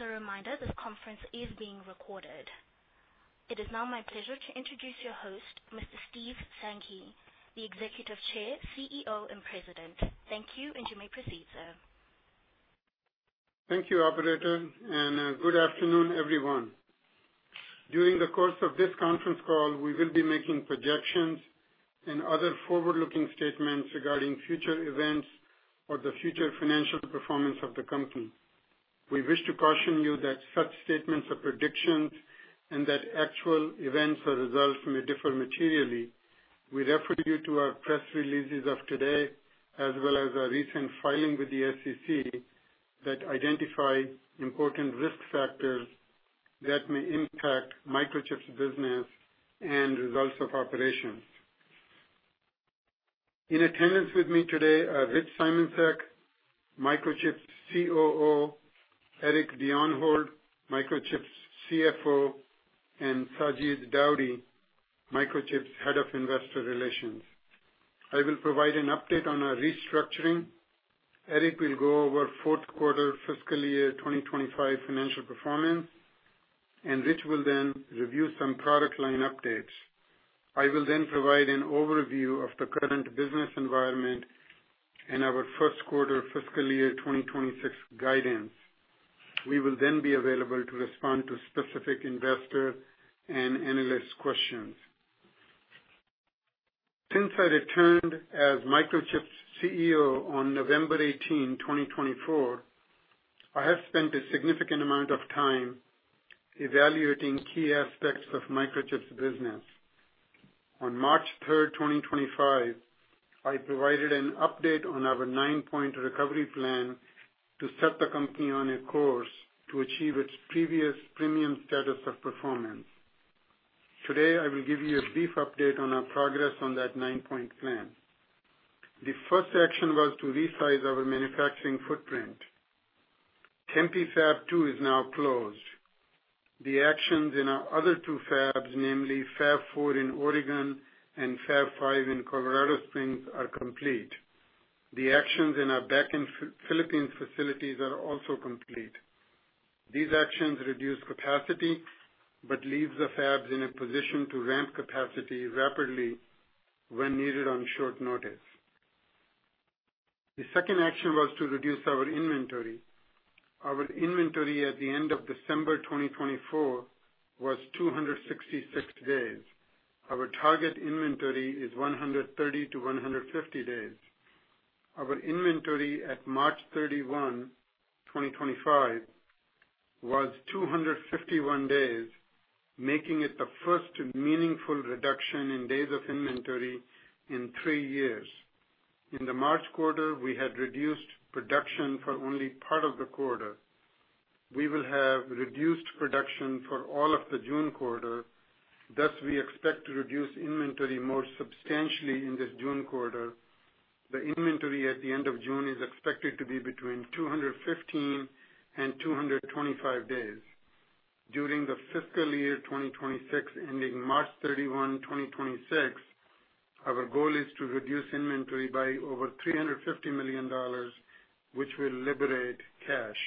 As a reminder, this conference is being recorded. It is now my pleasure to introduce your host, Mr. Steve Sanghi, the Executive Chair, CEO, and President. Thank you, and you may proceed, sir. Thank you, Operator, and good afternoon, everyone. During the course of this conference call, we will be making projections and other forward-looking statements regarding future events or the future financial performance of the company. We wish to caution you that such statements are predictions and that actual events or results may differ materially. We refer you to our press releases of today, as well as our recent filing with the SEC that identify important risk factors that may impact Microchip's business and results of operations. In attendance with me today are Rich Simoncic, Microchip's COO, Eric Bjornholt, Microchip's CFO, and Sajid Daudi, Microchip's Head of Investor Relations. I will provide an update on our restructuring. Eric will go over fourth quarter fiscal year 2025 financial performance, and Rich will then review some product line updates. I will then provide an overview of the current business environment and our first quarter fiscal year 2026 guidance. We will then be available to respond to specific investor and analyst questions. Since I returned as Microchip's CEO on November 18, 2024, I have spent a significant amount of time evaluating key aspects of Microchip's business. On March 3rd 2025, I provided an update on our nine-point recovery plan to set the company on a course to achieve its previous premium status of performance. Today, I will give you a brief update on our progress on that nine-point plan. The first action was to resize our manufacturing footprint. Tempe Fab 2 is now closed. The actions in our other two fabs, namely Fab 4 in Oregon and Fab 5 in Colorado Springs, are complete. The actions in our back-end Philippines facilities are also complete. These actions reduce capacity but leave the fabs in a position to ramp capacity rapidly when needed on short notice. The second action was to reduce our inventory. Our inventory at the end of December 2024 was 266 days. Our target inventory is 130 to 150 days. Our inventory at March 31, 2025, was 251 days, making it the first meaningful reduction in days of inventory in three years. In the March quarter, we had reduced production for only part of the quarter. We will have reduced production for all of the June quarter. Thus, we expect to reduce inventory more substantially in this June quarter. The inventory at the end of June is expected to be between 215 and 225 days. During the fiscal year 2026 ending March 31, 2026, our goal is to reduce inventory by over $350 million, which will liberate cash.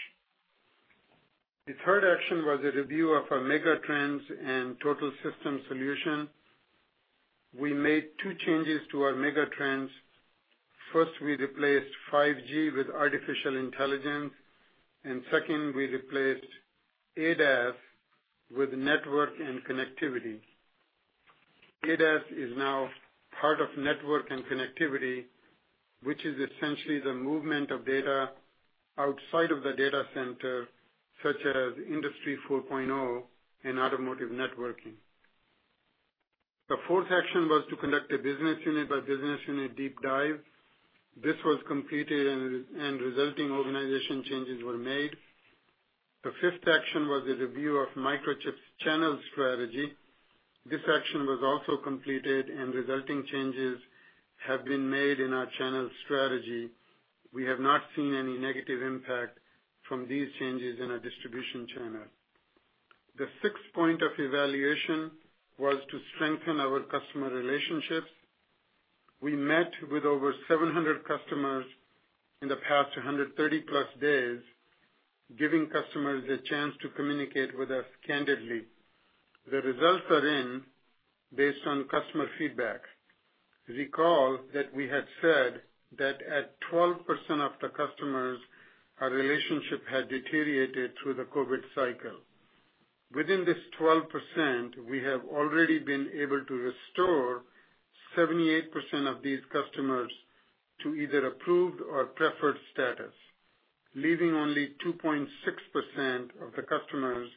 The third action was a review of our Megatrends and Total System Solution. We made two changes to our Megatrends. First, we replaced 5G with Artificial Intelligence, and second, we replaced ADAS with Network and Connectivity. ADAS is now part of Network and Connectivity, which is essentially the movement of data outside of the data center, such as Industry 4.0 and automotive networking. The fourth action was to conduct a business unit-by-business unit deep dive. This was completed, and resulting organization changes were made. The fifth action was a review of Microchip's channel strategy. This action was also completed, and resulting changes have been made in our channel strategy. We have not seen any negative impact from these changes in our distribution channel. The sixth point of evaluation was to strengthen our customer relationships. We met with over 700 customers in the past 130+ days, giving customers a chance to communicate with us candidly. The results are in based on customer feedback. Recall that we had said that at 12% of the customers, our relationship had deteriorated through the COVID cycle. Within this 12%, we have already been able to restore 78% of these customers to either approved or preferred status, leaving only 2.6% of the customers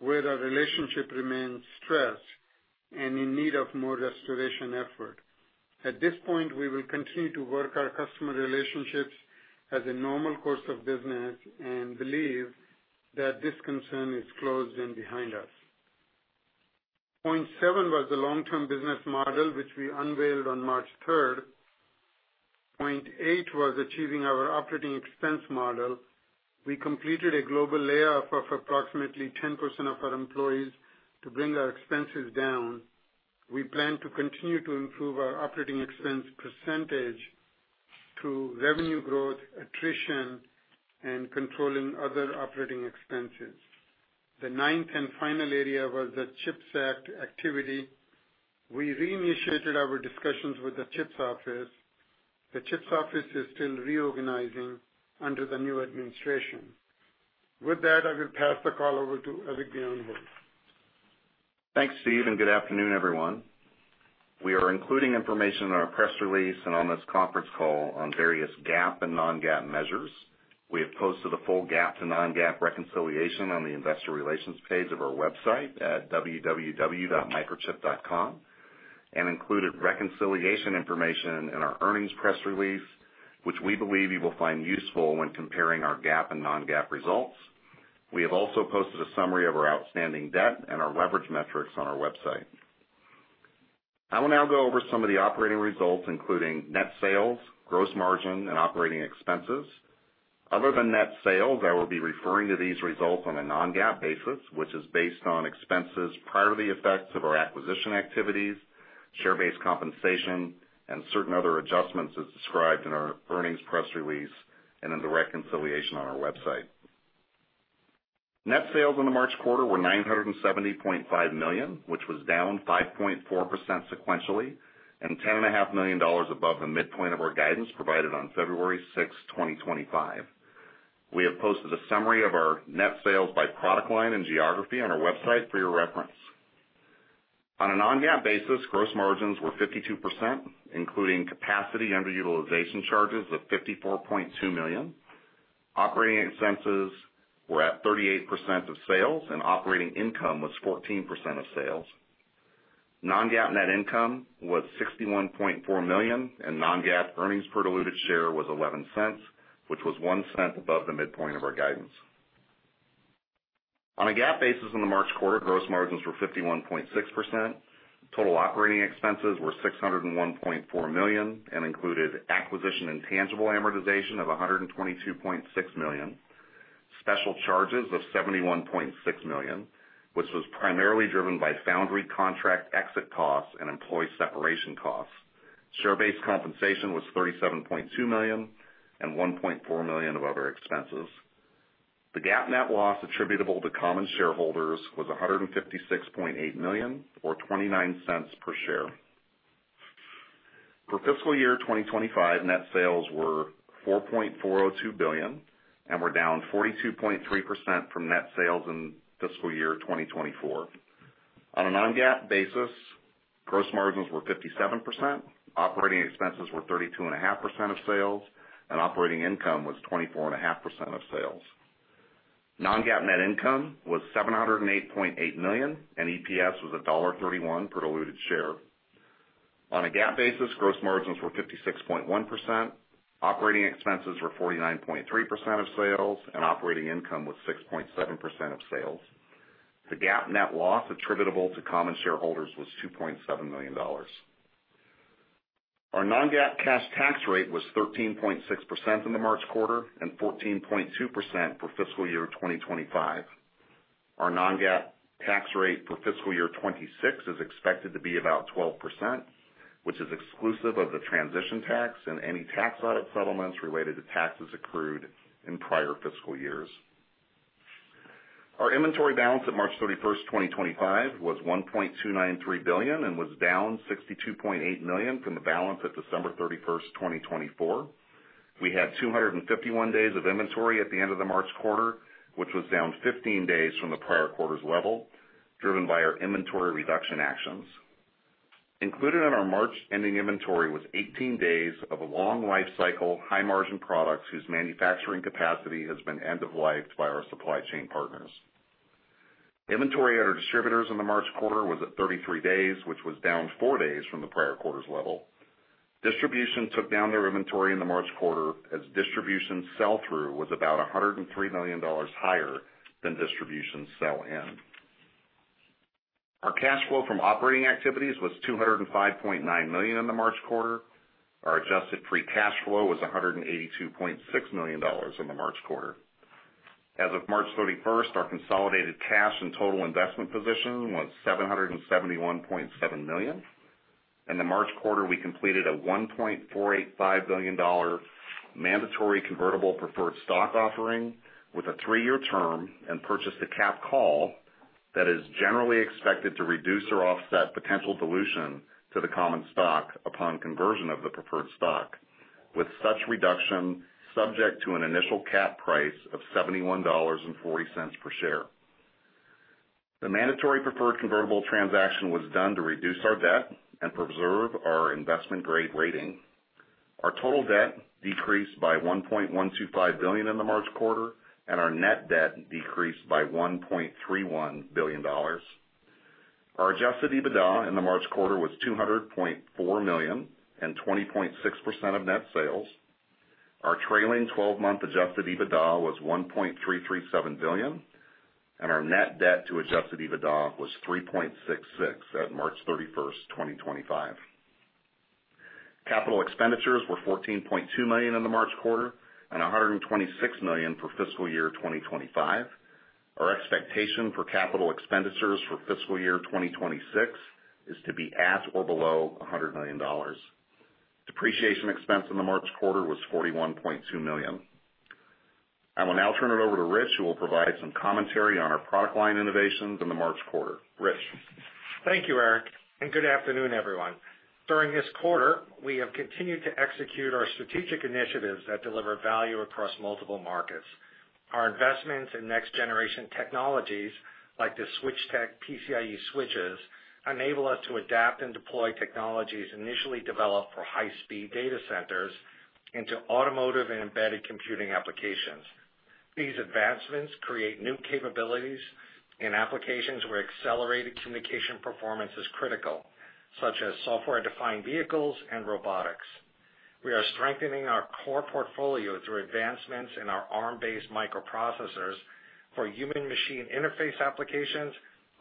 where our relationship remains stressed and in need of more restoration effort. At this point, we will continue to work our customer relationships as a normal course of business and believe that this concern is closed and behind us. Point seven was the long-term business model, which we unveiled on March 3rd. Point eight was achieving our operating expense model. We completed a global layoff of approximately 10% of our employees to bring our expenses down. We plan to continue to improve our operating expense percentage through revenue growth, attrition, and controlling other operating expenses. The ninth and final area was the CHIPS Act activity. We reinitiated our discussions with the CHIPS office. The CHIPS office is still reorganizing under the new administration. With that, I will pass the call over to Eric Bjornholt. Thanks, Steve, and good afternoon, everyone. We are including information in our press release and on this conference call on various GAAP and non-GAAP measures. We have posted a full GAAP to non-GAAP reconciliation on the investor relations page of our website at www.microchip.com and included reconciliation information in our earnings press release, which we believe you will find useful when comparing our GAAP and non-GAAP results. We have also posted a summary of our outstanding debt and our leverage metrics on our website. I will now go over some of the operating results, including net sales, gross margin, and operating expenses. Other than net sales, I will be referring to these results on a non-GAAP basis, which is based on expenses prior to the effects of our acquisition activities, share-based compensation, and certain other adjustments as described in our earnings press release and in the reconciliation on our website. Net sales in the March quarter were $970.5 million, which was down 5.4% sequentially and $10.5 million above the midpoint of our guidance provided on February 6, 2025. We have posted a summary of our net sales by product line and geography on our website for your reference. On a non-GAAP basis, gross margins were 52%, including capacity underutilization charges of $54.2 million. Operating expenses were at 38% of sales, and operating income was 14% of sales. Non-GAAP net income was $61.4 million, and non-GAAP earnings per diluted share was $0.11, which was $0.01 above the midpoint of our guidance. On a GAAP basis in the March quarter, gross margins were 51.6%. Total operating expenses were $601.4 million and included acquisition and intangible amortization of $122.6 million, special charges of $71.6 million, which was primarily driven by foundry contract exit costs and employee separation costs. Share-based compensation was $37.2 million and $1.4 million of other expenses. The GAAP net loss attributable to common shareholders was $156.8 million or $0.29 per share. For fiscal year 2025, net sales were $4.402 billion and were down 42.3% from net sales in fiscal year 2024. On a non-GAAP basis, gross margins were 57%, operating expenses were 32.5% of sales, and operating income was 24.5% of sales. Non-GAAP net income was $708.8 million, and EPS was $1.31 per diluted share. On a GAAP basis, gross margins were 56.1%, operating expenses were 49.3% of sales, and operating income was 6.7% of sales. The GAAP net loss attributable to common shareholders was $2.7 million. Our non-GAAP cash tax rate was 13.6% in the March quarter and 14.2% for fiscal year 2025. Our non-GAAP tax rate for fiscal year 26 is expected to be about 12%, which is exclusive of the transition tax and any tax audit settlements related to taxes accrued in prior fiscal years. Our inventory balance at March 31, 2025, was $1.293 billion and was down $62.8 million from the balance at December 31, 2024. We had 251 days of inventory at the end of the March quarter, which was down 15 days from the prior quarter's level, driven by our inventory reduction actions. Included in our March ending inventory was 18 days of a long life cycle, high-margin products whose manufacturing capacity has been end-of-life by our supply chain partners. Inventory at our distributors in the March quarter was at 33 days, which was down 4 days from the prior quarter's level. Distribution took down their inventory in the March quarter as distribution sell-through was about $103 million higher than distribution sell-in. Our cash flow from operating activities was $205.9 million in the March quarter. Our adjusted free cash flow was $182.6 million in the March quarter. As of March 31, our consolidated cash and total investment position was $771.7 million. In the March quarter, we completed a $1.485 billion mandatory convertible preferred stock offering with a three-year term and purchased a cap call that is generally expected to reduce or offset potential dilution to the common stock upon conversion of the preferred stock, with such reduction subject to an initial cap price of $71.40 per share. The mandatory preferred convertible transaction was done to reduce our debt and preserve our investment grade rating. Our total debt decreased by $1.125 billion in the March quarter, and our net debt decreased by $1.31 billion. Our adjusted EBITDA in the March quarter was $200.4 million and 20.6% of net sales. Our trailing 12-month adjusted EBITDA was $1.337 billion, and our net debt to adjusted EBITDA was $3.66 at March 31, 2025. Capital expenditures were $14.2 million in the March quarter and $126 million for fiscal year 2025. Our expectation for capital expenditures for fiscal year 2026 is to be at or below $100 million. Depreciation expense in the March quarter was $41.2 million. I will now turn it over to Rich, who will provide some commentary on our product line innovations in the March quarter. Rich. Thank you, Eric, and good afternoon, everyone. During this quarter, we have continued to execute our strategic initiatives that deliver value across multiple markets. Our investments in next-generation technologies like the Switchtec PCIe switches enable us to adapt and deploy technologies initially developed for high-speed data centers into automotive and embedded computing applications. These advancements create new capabilities in applications where accelerated communication performance is critical, such as software-defined vehicles and robotics. We are strengthening our core portfolio through advancements in our Arm-based microprocessors for human-machine interface applications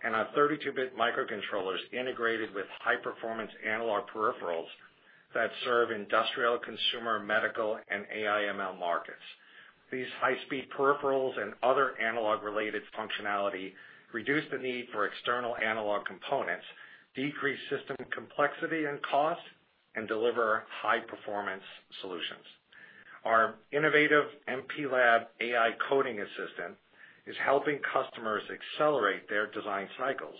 and our 32-bit microcontrollers integrated with high-performance analog peripherals that serve industrial, consumer, medical, and AI/ML markets. These high-speed peripherals and other analog-related functionality reduce the need for external analog components, decrease system complexity and cost, and deliver high-performance solutions. Our innovative MPLAB AI Coding Assistant is helping customers accelerate their design cycles,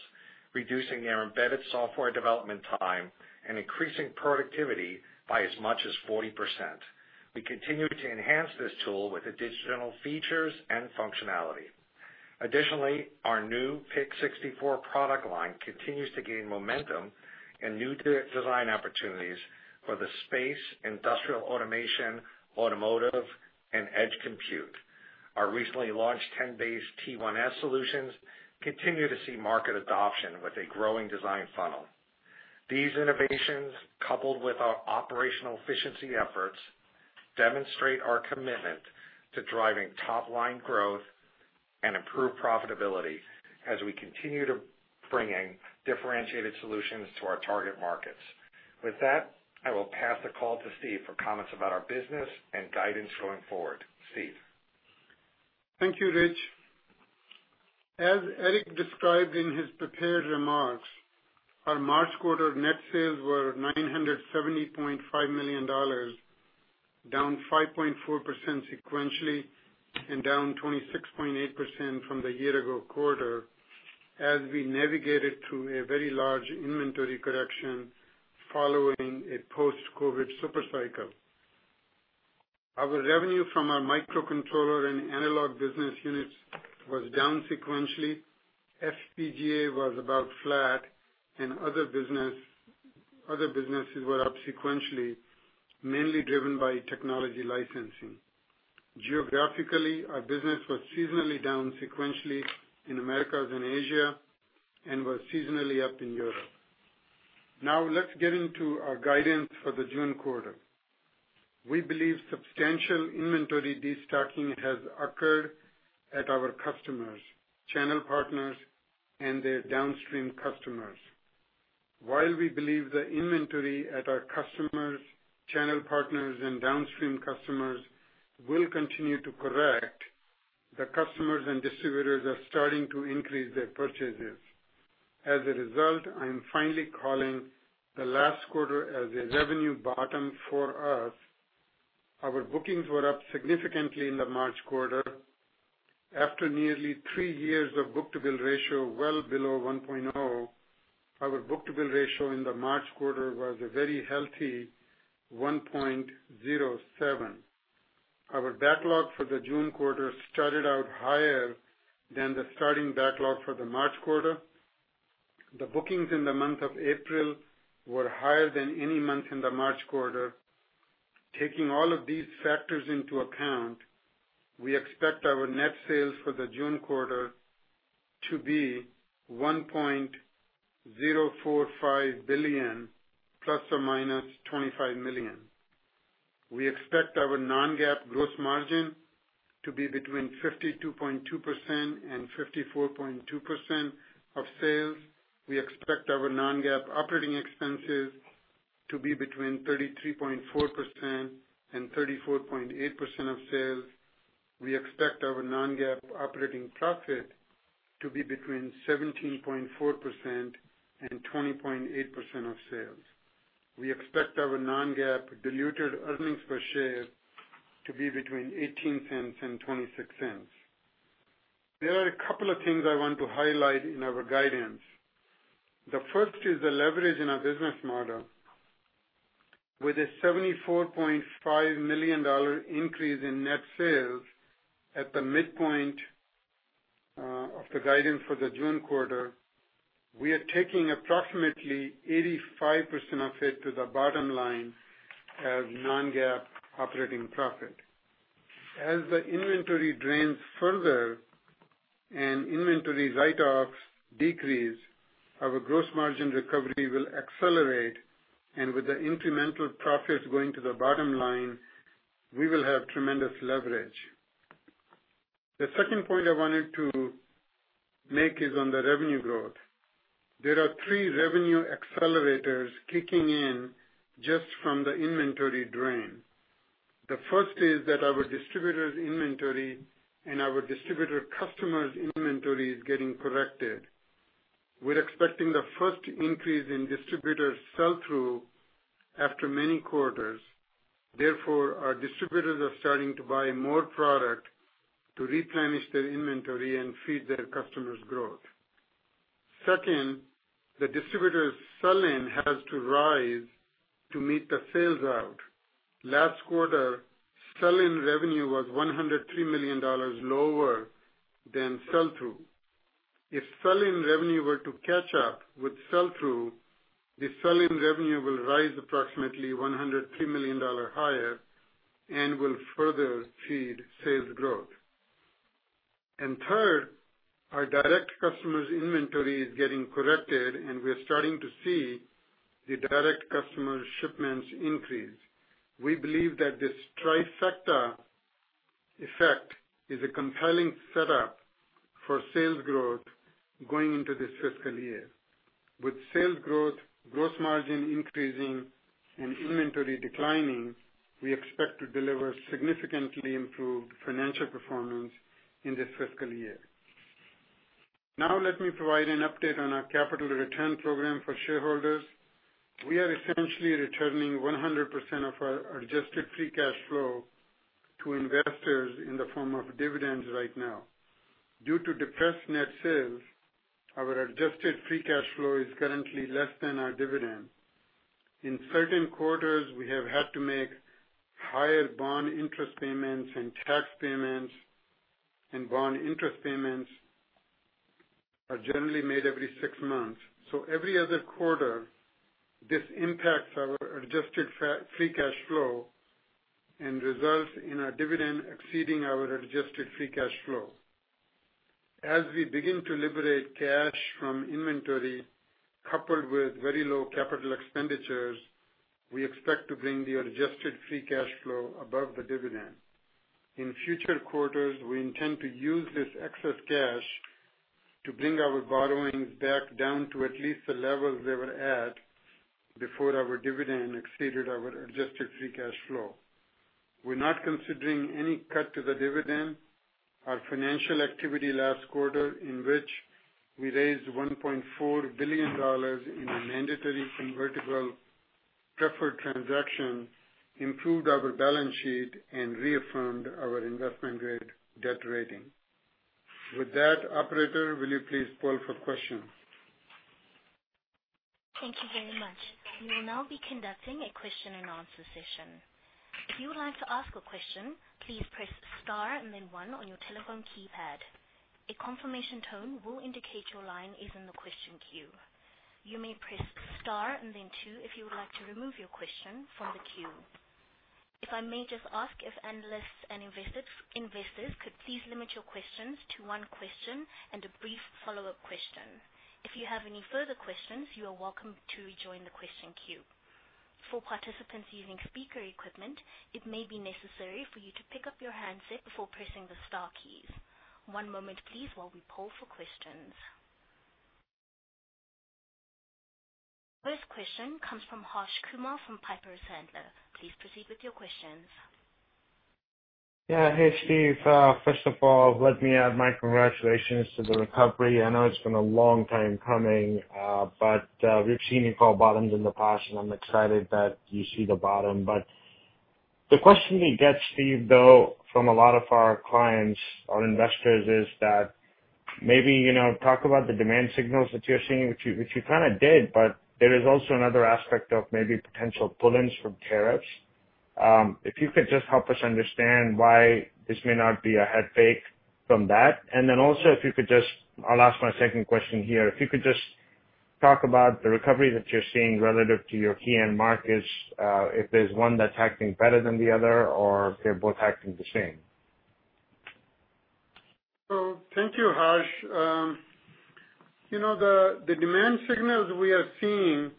reducing their embedded software development time and increasing productivity by as much as 40%. We continue to enhance this tool with additional features and functionality. Additionally, our new PIC64 product line continues to gain momentum and new design opportunities for the space, industrial automation, automotive, and edge compute. Our recently launched 10BASE-T1S solutions continue to see market adoption with a growing design funnel. These innovations, coupled with our operational efficiency efforts, demonstrate our commitment to driving top-line growth and improved profitability as we continue to bring differentiated solutions to our target markets. With that, I will pass the call to Steve for comments about our business and guidance going forward. Steve. Thank you, Rich. As Eric described in his prepared remarks, our March quarter net sales were $970.5 million, down 5.4% sequentially and down 26.8% from the year-ago quarter as we navigated through a very large inventory correction following a post-COVID supercycle. Our revenue from our microcontroller and analog business units was down sequentially. FPGA was about flat, and other businesses were up sequentially, mainly driven by technology licensing. Geographically, our business was seasonally down sequentially in America and Asia and was seasonally up in Europe. Now, let's get into our guidance for the June quarter. We believe substantial inventory destocking has occurred at our customers, channel partners, and their downstream customers. While we believe the inventory at our customers, channel partners, and downstream customers will continue to correct, the customers and distributors are starting to increase their purchases. As a result, I am finally calling the last quarter as a revenue bottom for us. Our bookings were up significantly in the March quarter. After nearly three years of book-to-bill ratio well below 1.0, our book-to-bill ratio in the March quarter was a very healthy 1.07. Our backlog for the June quarter started out higher than the starting backlog for the March quarter. The bookings in the month of April were higher than any month in the March quarter. Taking all of these factors into account, we expect our net sales for the June quarter to be $1.045 billion plus or minus $25 million. We expect our non-GAAP gross margin to be between 52.2% and 54.2% of sales. We expect our non-GAAP operating expenses to be between 33.4% and 34.8% of sales. We expect our non-GAAP operating profit to be between 17.4% and 20.8% of sales. We expect our Non-GAAP diluted earnings per share to be between $0.18 and $0.26. There are a couple of things I want to highlight in our guidance. The first is the leverage in our business model. With a $74.5 million increase in net sales at the midpoint of the guidance for the June quarter, we are taking approximately 85% of it to the bottom line as Non-GAAP operating profit. As the inventory drains further and inventory write-offs decrease, our gross margin recovery will accelerate, and with the incremental profits going to the bottom line, we will have tremendous leverage. The second point I wanted to make is on the revenue growth. There are three revenue accelerators kicking in just from the inventory drain. The first is that our distributors' inventory and our distributor customers' inventory is getting corrected. We're expecting the first increase in distributor sell-through after many quarters. Therefore, our distributors are starting to buy more product to replenish their inventory and feed their customers' growth. Second, the distributor's sell-in has to rise to meet the sales out. Last quarter, sell-in revenue was $103 million lower than sell-through. If sell-in revenue were to catch up with sell-through, the sell-in revenue will rise approximately $103 million higher and will further feed sales growth, and third, our direct customers' inventory is getting corrected, and we're starting to see the direct customers' shipments increase. We believe that the trifecta effect is a compelling setup for sales growth going into this fiscal year. With sales growth, gross margin increasing, and inventory declining, we expect to deliver significantly improved financial performance in this fiscal year. Now, let me provide an update on our capital return program for shareholders. We are essentially returning 100% of our adjusted free cash flow to investors in the form of dividends right now. Due to depressed net sales, our adjusted free cash flow is currently less than our dividend. In certain quarters, we have had to make higher bond interest payments and tax payments, and bond interest payments are generally made every six months. So every other quarter, this impacts our adjusted free cash flow and results in our dividend exceeding our adjusted free cash flow. As we begin to liberate cash from inventory coupled with very low capital expenditures, we expect to bring the adjusted free cash flow above the dividend. In future quarters, we intend to use this excess cash to bring our borrowings back down to at least the levels they were at before our dividend exceeded our adjusted free cash flow. We're not considering any cut to the dividend. Our financial activity last quarter, in which we raised $1.4 billion in a mandatory convertible preferred transaction, improved our balance sheet and reaffirmed our investment-grade debt rating. With that, Operator, will you please poll for questions? Thank you very much. We will now be conducting a question-and-answer session. If you would like to ask a question, please press star and then one on your telephone keypad. A confirmation tone will indicate your line is in the question queue. You may press star and then two if you would like to remove your question from the queue. If I may just ask if analysts and investors could please limit your questions to one question and a brief follow-up question. If you have any further questions, you are welcome to rejoin the question queue. For participants using speaker equipment, it may be necessary for you to pick up your handset before pressing the star keys. One moment, please, while we poll for questions. First question comes from Harsh Kumar from Piper Sandler. Please proceed with your questions. Yeah, hey, Steve. First of all, let me add my congratulations to the recovery. I know it's been a long time coming, but we've seen it go bottoms in the past, and I'm excited that you see the bottom. But the question we get, Steve, though, from a lot of our clients or investors is that maybe talk about the demand signals that you're seeing, which you kind of did, but there is also another aspect of maybe potential pull-ins from tariffs. If you could just help us understand why this may not be a head fake from that. And then also, if you could just. I'll ask my second question here. If you could just talk about the recovery that you're seeing relative to your key end markets, if there's one that's acting better than the other or if they're both acting the same. Thank you, Harsh. The demand signals we are seeing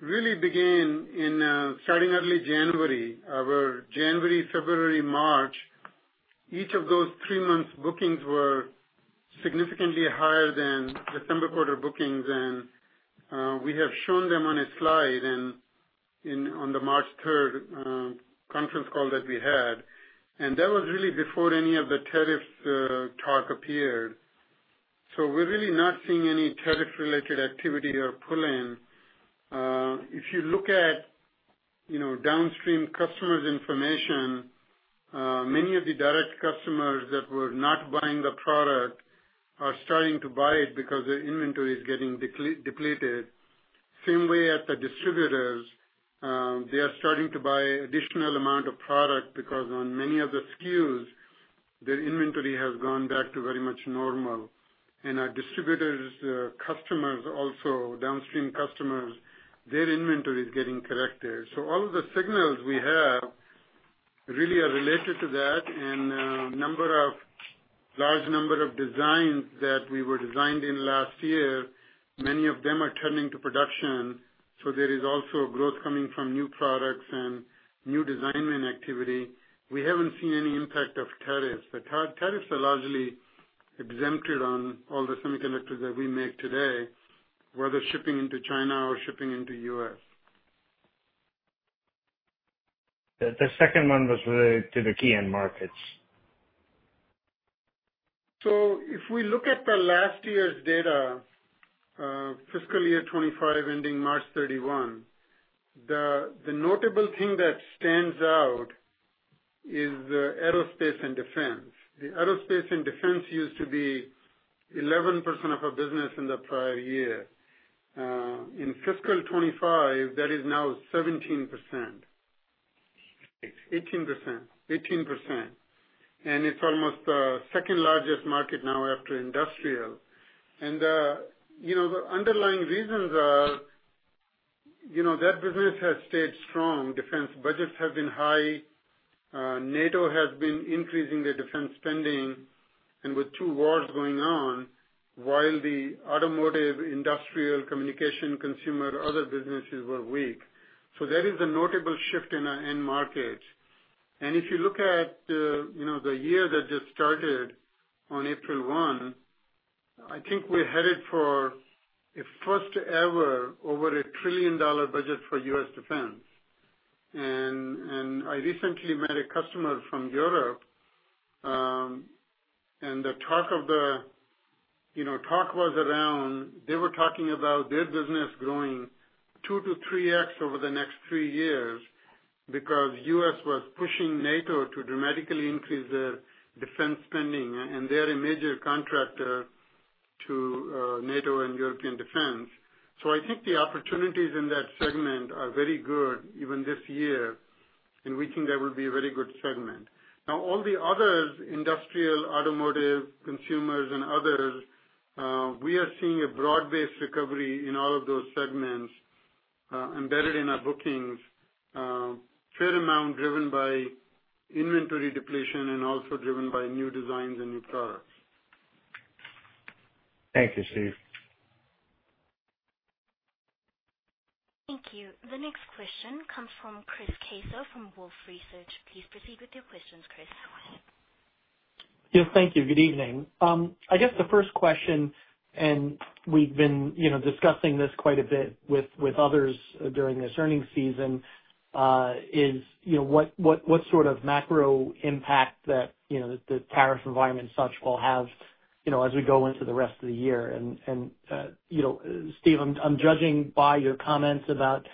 really began starting early January. Our January, February, March, each of those three months' bookings were significantly higher than December quarter bookings, and we have shown them on a slide on the March 3rd conference call that we had. And that was really before any of the tariffs talk appeared. So we're really not seeing any tariff-related activity or pull-in. If you look at downstream customers' information, many of the direct customers that were not buying the product are starting to buy it because their inventory is getting depleted. Same way at the distributors. They are starting to buy an additional amount of product because on many of the SKUs, their inventory has gone back to very much normal. And our distributors' customers, also downstream customers, their inventory is getting corrected. So all of the signals we have really are related to that. And a large number of designs that we were designed in last year, many of them are turning to production. So there is also growth coming from new products and new design activity. We haven't seen any impact of tariffs. Tariffs are largely exempted on all the semiconductors that we make today, whether shipping into China or shipping into the U.S. The second one was related to the key end markets. So if we look at last year's data, fiscal year 2025 ending March 31, the notable thing that stands out is the aerospace and defense. The aerospace and defense used to be 11% of our business in the prior year. In fiscal 2025, that is now 17%. 18%. 18%. And it's almost the second largest market now after industrial. And the underlying reasons are that business has stayed strong. Defense budgets have been high. NATO has been increasing their defense spending. And with two wars going on, while the automotive, industrial, communication, consumer, other businesses were weak. So there is a notable shift in our end markets. And if you look at the year that just started on April 1, I think we're headed for a first-ever over $1 trillion budget for U.S. defense. And I recently met a customer from Europe, and the talk of the talk was around they were talking about their business growing two to three X over the next three years because U.S. was pushing NATO to dramatically increase their defense spending, and they are a major contractor to NATO and European defense. So I think the opportunities in that segment are very good even this year, and we think that will be a very good segment. Now, all the others, industrial, automotive, consumers, and others, we are seeing a broad-based recovery in all of those segments embedded in our bookings, a fair amount driven by inventory depletion and also driven by new designs and new products. Thank you, Steve. Thank you. The next question comes from Chris Caso from Wolfe Research. Please proceed with your questions, Chris. Yes, thank you. Good evening. I guess the first question, and we've been discussing this quite a bit with others during this earnings season, is what sort of macro impact that the tariff environment and such will have as we go into the rest of the year. And Steve, I'm judging by your comments about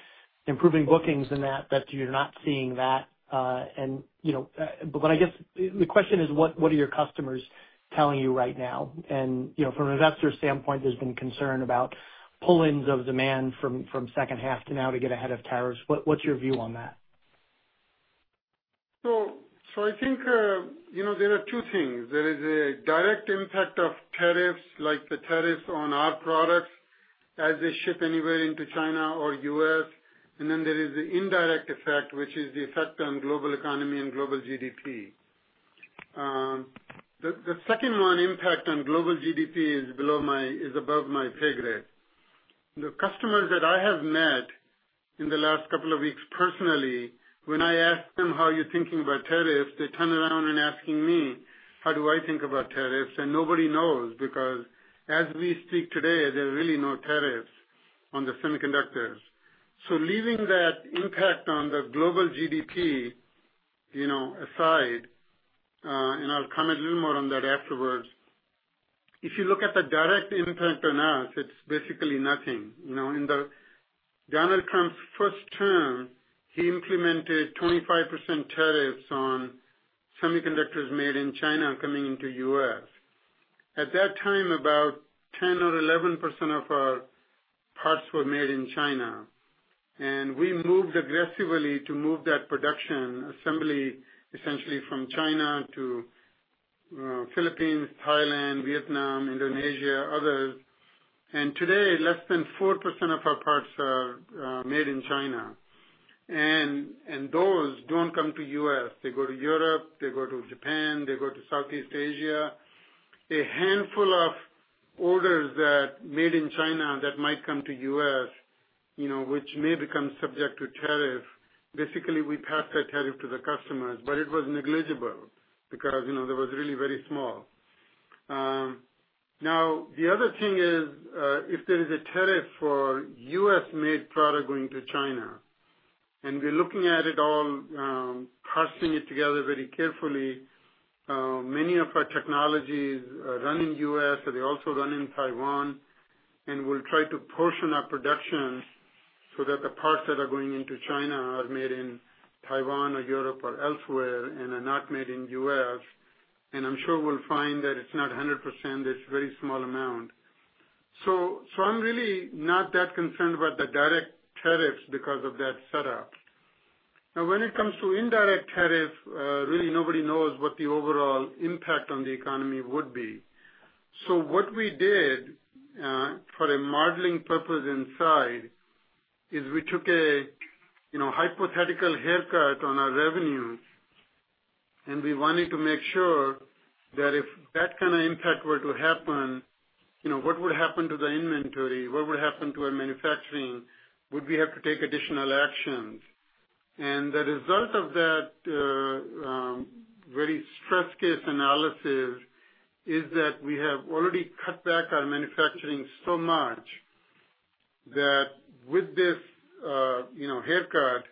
improving bookings and that you're not seeing that. But I guess the question is, what are your customers telling you right now? And from an investor standpoint, there's been concern about pull-ins of demand from second half to now to get ahead of tariffs. What's your view on that? So I think there are two things. There is a direct impact of tariffs, like the tariffs on our products as they ship anywhere into China or US. And then there is the indirect effect, which is the effect on global economy and global GDP. The second one impact on global GDP is above my pay grade. The customers that I have met in the last couple of weeks personally, when I asked them, "How are you thinking about tariffs?" they turn around and ask me, "How do I think about tariffs?" And nobody knows because as we speak today, there are really no tariffs on the semiconductors. So leaving that impact on the global GDP aside, and I'll comment a little more on that afterwards, if you look at the direct impact on us, it's basically nothing. In Donald Trump's first term, he implemented 25% tariffs on semiconductors made in China coming into the U.S. At that time, about 10 or 11% of our parts were made in China, and we moved aggressively to move that production assembly essentially from China to Philippines, Thailand, Vietnam, Indonesia, others. Today, less than 4% of our parts are made in China, and those don't come to the U.S. They go to Europe. They go to Japan. They go to Southeast Asia. A handful of orders that are made in China that might come to the U.S., which may become subject to tariff, basically we pass that tariff to the customers, but it was negligible because it was really very small. Now, the other thing is if there is a tariff for U.S.-made product going to China, and we're looking at it all, parsing it together very carefully, many of our technologies run in the U.S., and they also run in Taiwan, and we'll try to portion our production so that the parts that are going into China are made in Taiwan or Europe or elsewhere and are not made in the U.S. And I'm sure we'll find that it's not 100%. It's a very small amount. So I'm really not that concerned about the direct tariffs because of that setup. Now, when it comes to indirect tariffs, really nobody knows what the overall impact on the economy would be. What we did for a modeling purpose inside is we took a hypothetical haircut on our revenue, and we wanted to make sure that if that kind of impact were to happen, what would happen to the inventory? What would happen to our manufacturing? Would we have to take additional actions? The result of that very stress case analysis is that we have already cut back our manufacturing so much that with this haircut,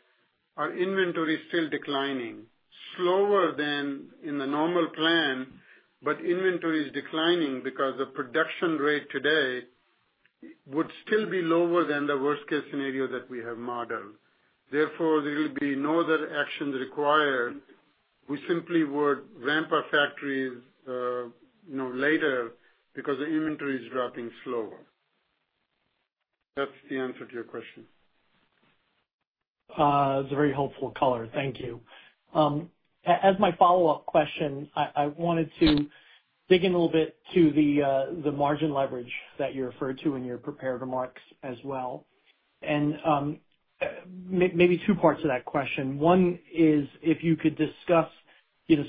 our inventory is still declining, slower than in the normal plan, but inventory is declining because the production rate today would still be lower than the worst-case scenario that we have modeled. Therefore, there will be no other actions required. We simply would ramp our factories later because the inventory is dropping slower. That's the answer to your question. That's a very helpful color. Thank you. As my follow-up question, I wanted to dig in a little bit to the margin leverage that you referred to in your prepared remarks as well. And maybe two parts of that question. One is if you could discuss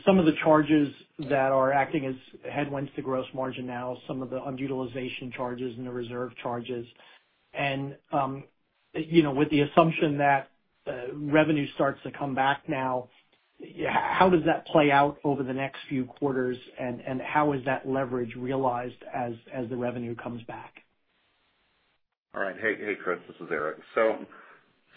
some of the charges that are acting as headwinds to gross margin now, some of the underutilization charges and the reserve charges. And with the assumption that revenue starts to come back now, how does that play out over the next few quarters, and how is that leverage realized as the revenue comes back? All right. Hey, Chris. This is Eric. So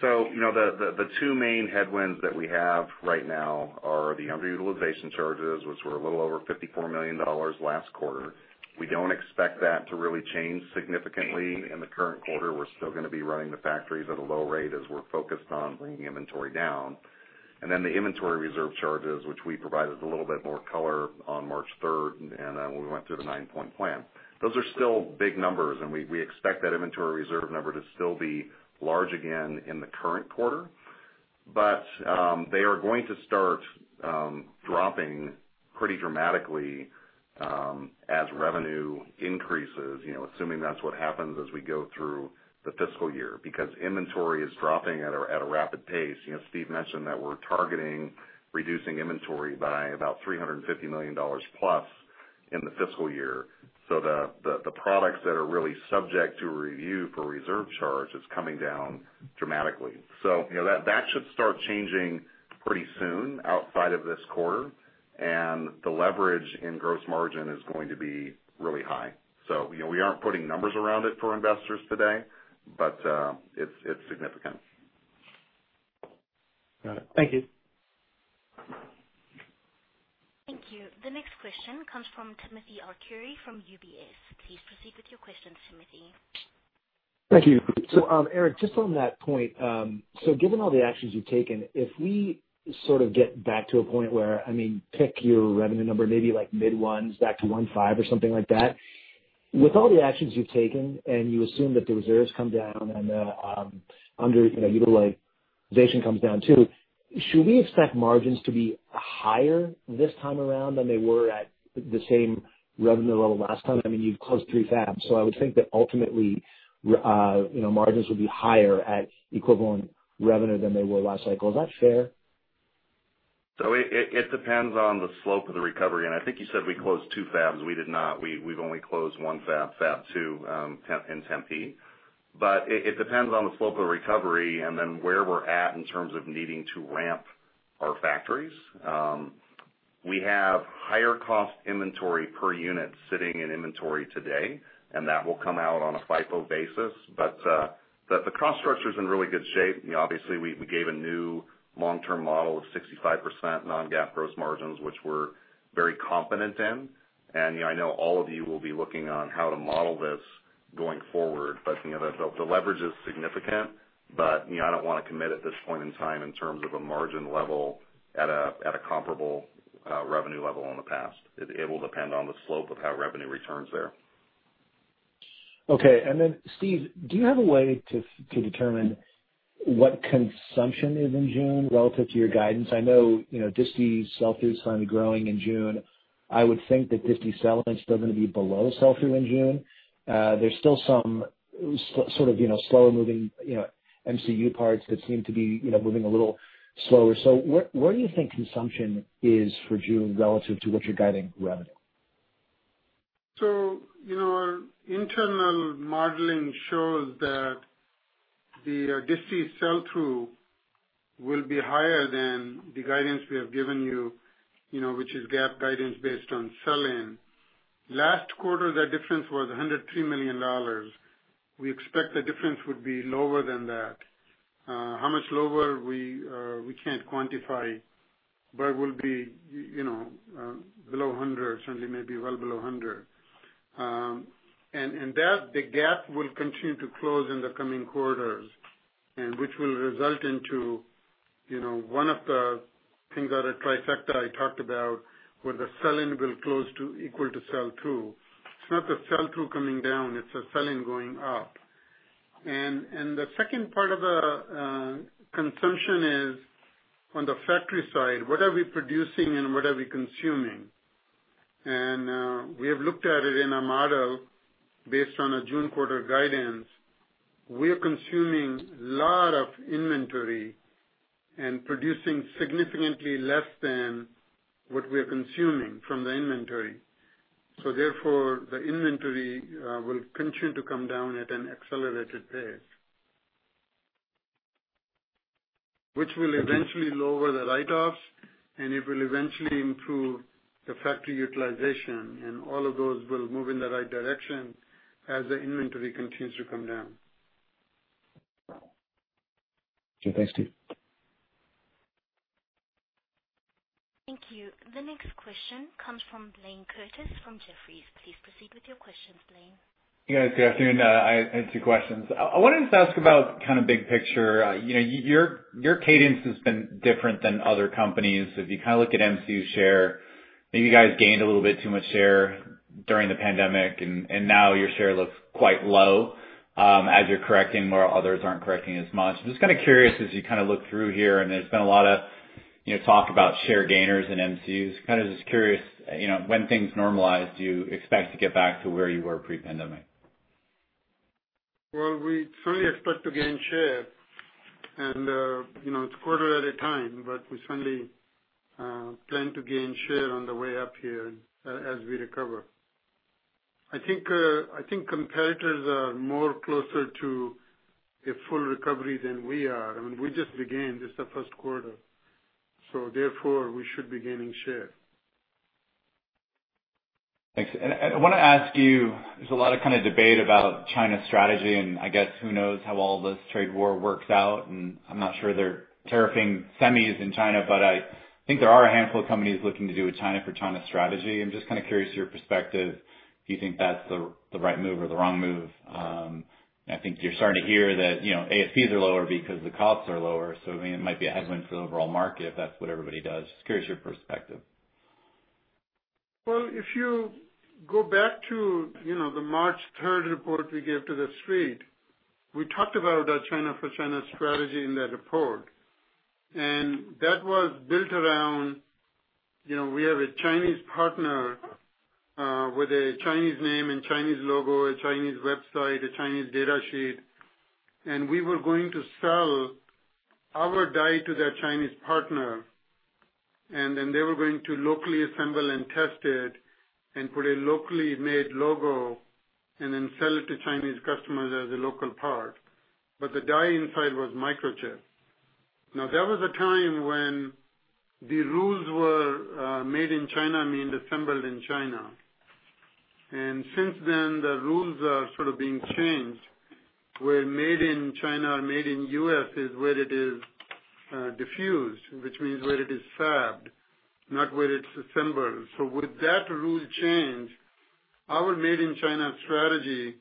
the two main headwinds that we have right now are the underutilization charges, which were a little over $54 million last quarter. We don't expect that to really change significantly in the current quarter. We're still going to be running the factories at a low rate as we're focused on bringing inventory down. And then the inventory reserve charges, which we provided a little bit more color on March 3rd, and then we went through the nine-point plan. Those are still big numbers, and we expect that inventory reserve number to still be large again in the current quarter. But they are going to start dropping pretty dramatically as revenue increases, assuming that's what happens as we go through the fiscal year because inventory is dropping at a rapid pace. Steve mentioned that we're targeting reducing inventory by about $350 million plus in the fiscal year. So the products that are really subject to review for reserve charge is coming down dramatically. So that should start changing pretty soon outside of this quarter, and the leverage in gross margin is going to be really high. So we aren't putting numbers around it for investors today, but it's significant. Got it. Thank you. Thank you. The next question comes from Timothy Arcuri from UBS. Please proceed with your questions, Timothy. Thank you. So Eric, just on that point, so given all the actions you've taken, if we sort of get back to a point where, I mean, pick your revenue number, maybe like mid-ones back to 1.5 or something like that, with all the actions you've taken and you assume that the reserves come down and the underutilization comes down too, should we expect margins to be higher this time around than they were at the same revenue level last time? I mean, you've closed three fabs. So I would think that ultimately margins would be higher at equivalent revenue than they were last cycle. Is that fair? So it depends on the slope of the recovery. And I think you said we closed two fabs. We did not. We've only closed one fab, Fab 2 in Tempe. But it depends on the slope of the recovery and then where we're at in terms of needing to ramp our factories. We have higher cost inventory per unit sitting in inventory today, and that will come out on a FIFO basis. But the cost structure is in really good shape. Obviously, we gave a new long-term model of 65% Non-GAAP gross margins, which we're very confident in. And I know all of you will be looking on how to model this going forward. But the leverage is significant, but I don't want to commit at this point in time in terms of a margin level at a comparable revenue level in the past. It will depend on the slope of how revenue returns there. Okay. And then, Steve, do you have a way to determine what consumption is in June relative to your guidance? I know disty sell-through is finally growing in June. I would think that disty sell-in is still going to be below sell-through in June. There's still some sort of slower-moving MCU parts that seem to be moving a little slower. So where do you think consumption is for June relative to what you're guiding revenue? Our internal modeling shows that the disty sell-through will be higher than the guidance we have given you, which is GAAP guidance based on sell-in. Last quarter, that difference was $103 million. We expect the difference would be lower than that. How much lower, we can't quantify, but it will be below 100, certainly maybe well below 100. And the GAAP will continue to close in the coming quarters, which will result into one of the things that are trifecta I talked about, where the sell-in will close to equal to sell-through. It's not the sell-through coming down. It's the sell-in going up. And the second part of the consumption is on the factory side, what are we producing and what are we consuming? And we have looked at it in our model based on our June quarter guidance. We are consuming a lot of inventory and producing significantly less than what we are consuming from the inventory. So therefore, the inventory will continue to come down at an accelerated pace, which will eventually lower the write-offs, and it will eventually improve the factory utilization, and all of those will move in the right direction as the inventory continues to come down. Okay. Thanks, Steve. Thank you. The next question comes from Blaine Curtis from Jefferies. Please proceed with your questions, Blaine. Yeah. Good afternoon. I had two questions. I wanted to ask about kind of big picture. Your cadence has been different than other companies. If you kind of look at MCU share, maybe you guys gained a little bit too much share during the pandemic, and now your share looks quite low as you're correcting while others aren't correcting as much. I'm just kind of curious as you kind of look through here, and there's been a lot of talk about share gainers in MCUs. Kind of just curious, when things normalize, do you expect to get back to where you were pre-pandemic? We certainly expect to gain share. It's a quarter at a time, but we certainly plan to gain share on the way up here as we recover. I think competitors are more closer to a full recovery than we are. I mean, we just began. This is the first quarter. Therefore, we should be gaining share. Thanks. And I want to ask you, there's a lot of kind of debate about China strategy and I guess who knows how all this trade war works out. And I'm not sure they're tariffing semis in China, but I think there are a handful of companies looking to do a China for China strategy. I'm just kind of curious your perspective. Do you think that's the right move or the wrong move? I think you're starting to hear that ASPs are lower because the costs are lower. So I mean, it might be a headwind for the overall market if that's what everybody does. Just curious your perspective. If you go back to the March 3rd report we gave to the street, we talked about our China for China strategy in that report. And that was built around we have a Chinese partner with a Chinese name and Chinese logo, a Chinese website, a Chinese data sheet. And we were going to sell our die to that Chinese partner, and then they were going to locally assemble and test it and put a locally made logo and then sell it to Chinese customers as a local part. But the die inside was Microchip. Now, that was a time when the rules were made in China, meaning assembled in China. And since then, the rules are sort of being changed. Where made in China or made in the U.S. is where it is diffused, which means where it is fabbed, not where it's assembled. So with that rule change, our made in China strategy,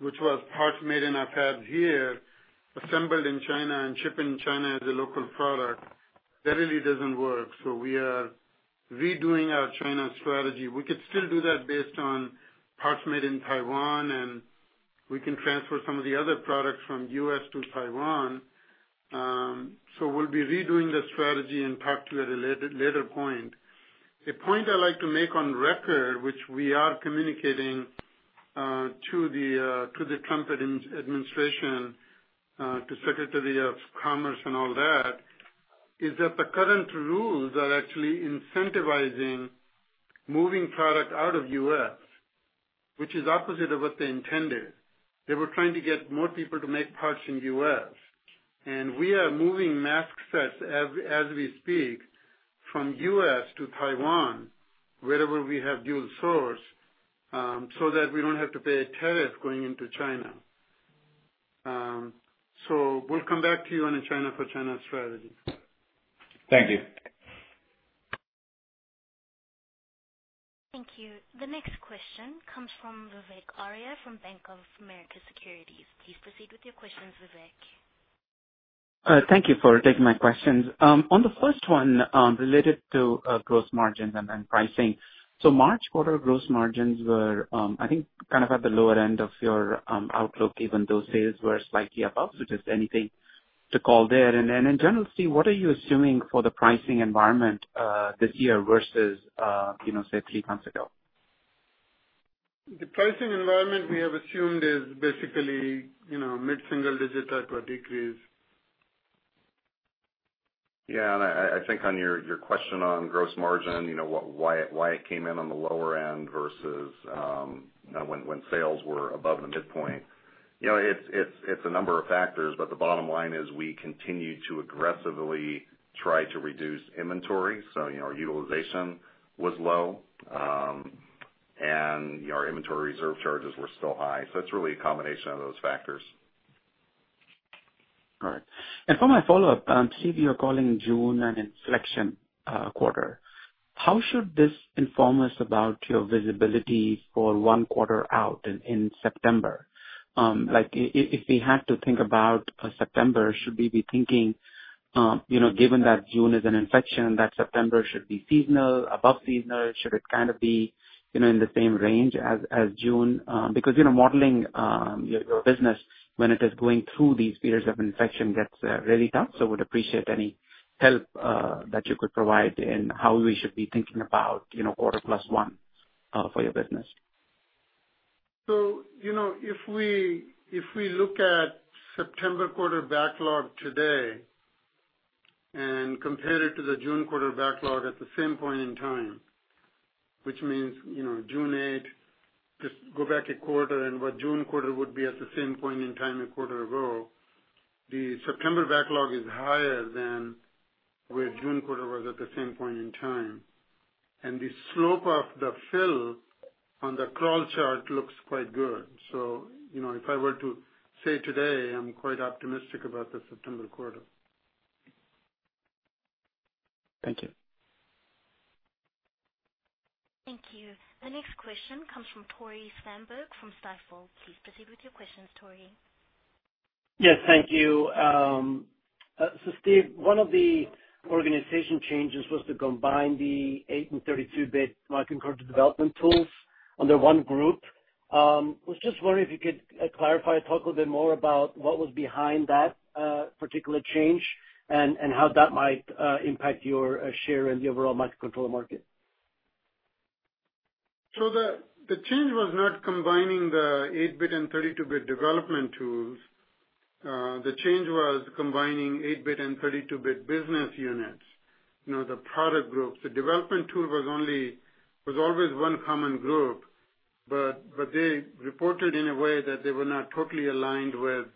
which was parts made in our fabs here, assembled in China, and shipped in China as a local product, that really doesn't work. So we are redoing our China strategy. We could still do that based on parts made in Taiwan, and we can transfer some of the other products from the U.S. to Taiwan. So we'll be redoing the strategy and talk to you at a later point. A point I'd like to make on record, which we are communicating to the Trump administration, to Secretary of Commerce and all that, is that the current rules are actually incentivizing moving product out of the U.S., which is opposite of what they intended. They were trying to get more people to make parts in the U.S. We are moving mask sets as we speak from the U.S. to Taiwan, wherever we have dual source, so that we don't have to pay a tariff going into China. We'll come back to you on a China for China strategy. Thank you. Thank you. The next question comes from Vivek Arya from Bank of America Securities. Please proceed with your questions, Vivek. Thank you for taking my questions. On the first one, related to gross margins and pricing, so March quarter gross margins were, I think, kind of at the lower end of your outlook, even though sales were slightly above. So just anything to call out there. And in general, Steve, what are you assuming for the pricing environment this year versus, say, three months ago? The pricing environment we have assumed is basically mid-single digit type of decrease. Yeah, and I think on your question on gross margin why it came in on the lower end versus when sales were above the midpoint, it's a number of factors, but the bottom line is we continue to aggressively try to reduce inventory, so our utilization was low, and our inventory reserve charges were still high, so it's really a combination of those factors. All right. And for my follow-up, Steve, you're calling June an inflection quarter. How should this inform us about your visibility for one quarter out in September? If we had to think about September, should we be thinking, given that June is an inflection, that September should be seasonal, above seasonal? Should it kind of be in the same range as June? Because modeling your business when it is going through these periods of inflection gets really tough. So we'd appreciate any help that you could provide in how we should be thinking about quarter plus one for your business. So if we look at September quarter backlog today and compare it to the June quarter backlog at the same point in time, which means June 8th, just go back a quarter and what June quarter would be at the same point in time a quarter ago, the September backlog is higher than where June quarter was at the same point in time. And the slope of the fill on the crawl chart looks quite good. So if I were to say today, I'm quite optimistic about the September quarter. Thank you. Thank you. The next question comes from Tore Svanberg from Stifel. Please proceed with your questions, Tore. Yes. Thank you. So Steve, one of the organization changes was to combine the 8-bit and 32-bit microcontroller development tools under one group. I was just wondering if you could clarify or talk a little bit more about what was behind that particular change and how that might impact your share in the overall microcontroller market. So the change was not combining the 8-bit and 32-bit development tools. The change was combining 8-bit and 32-bit business units, the product groups. The development tool was always one common group, but they reported in a way that they were not totally aligned with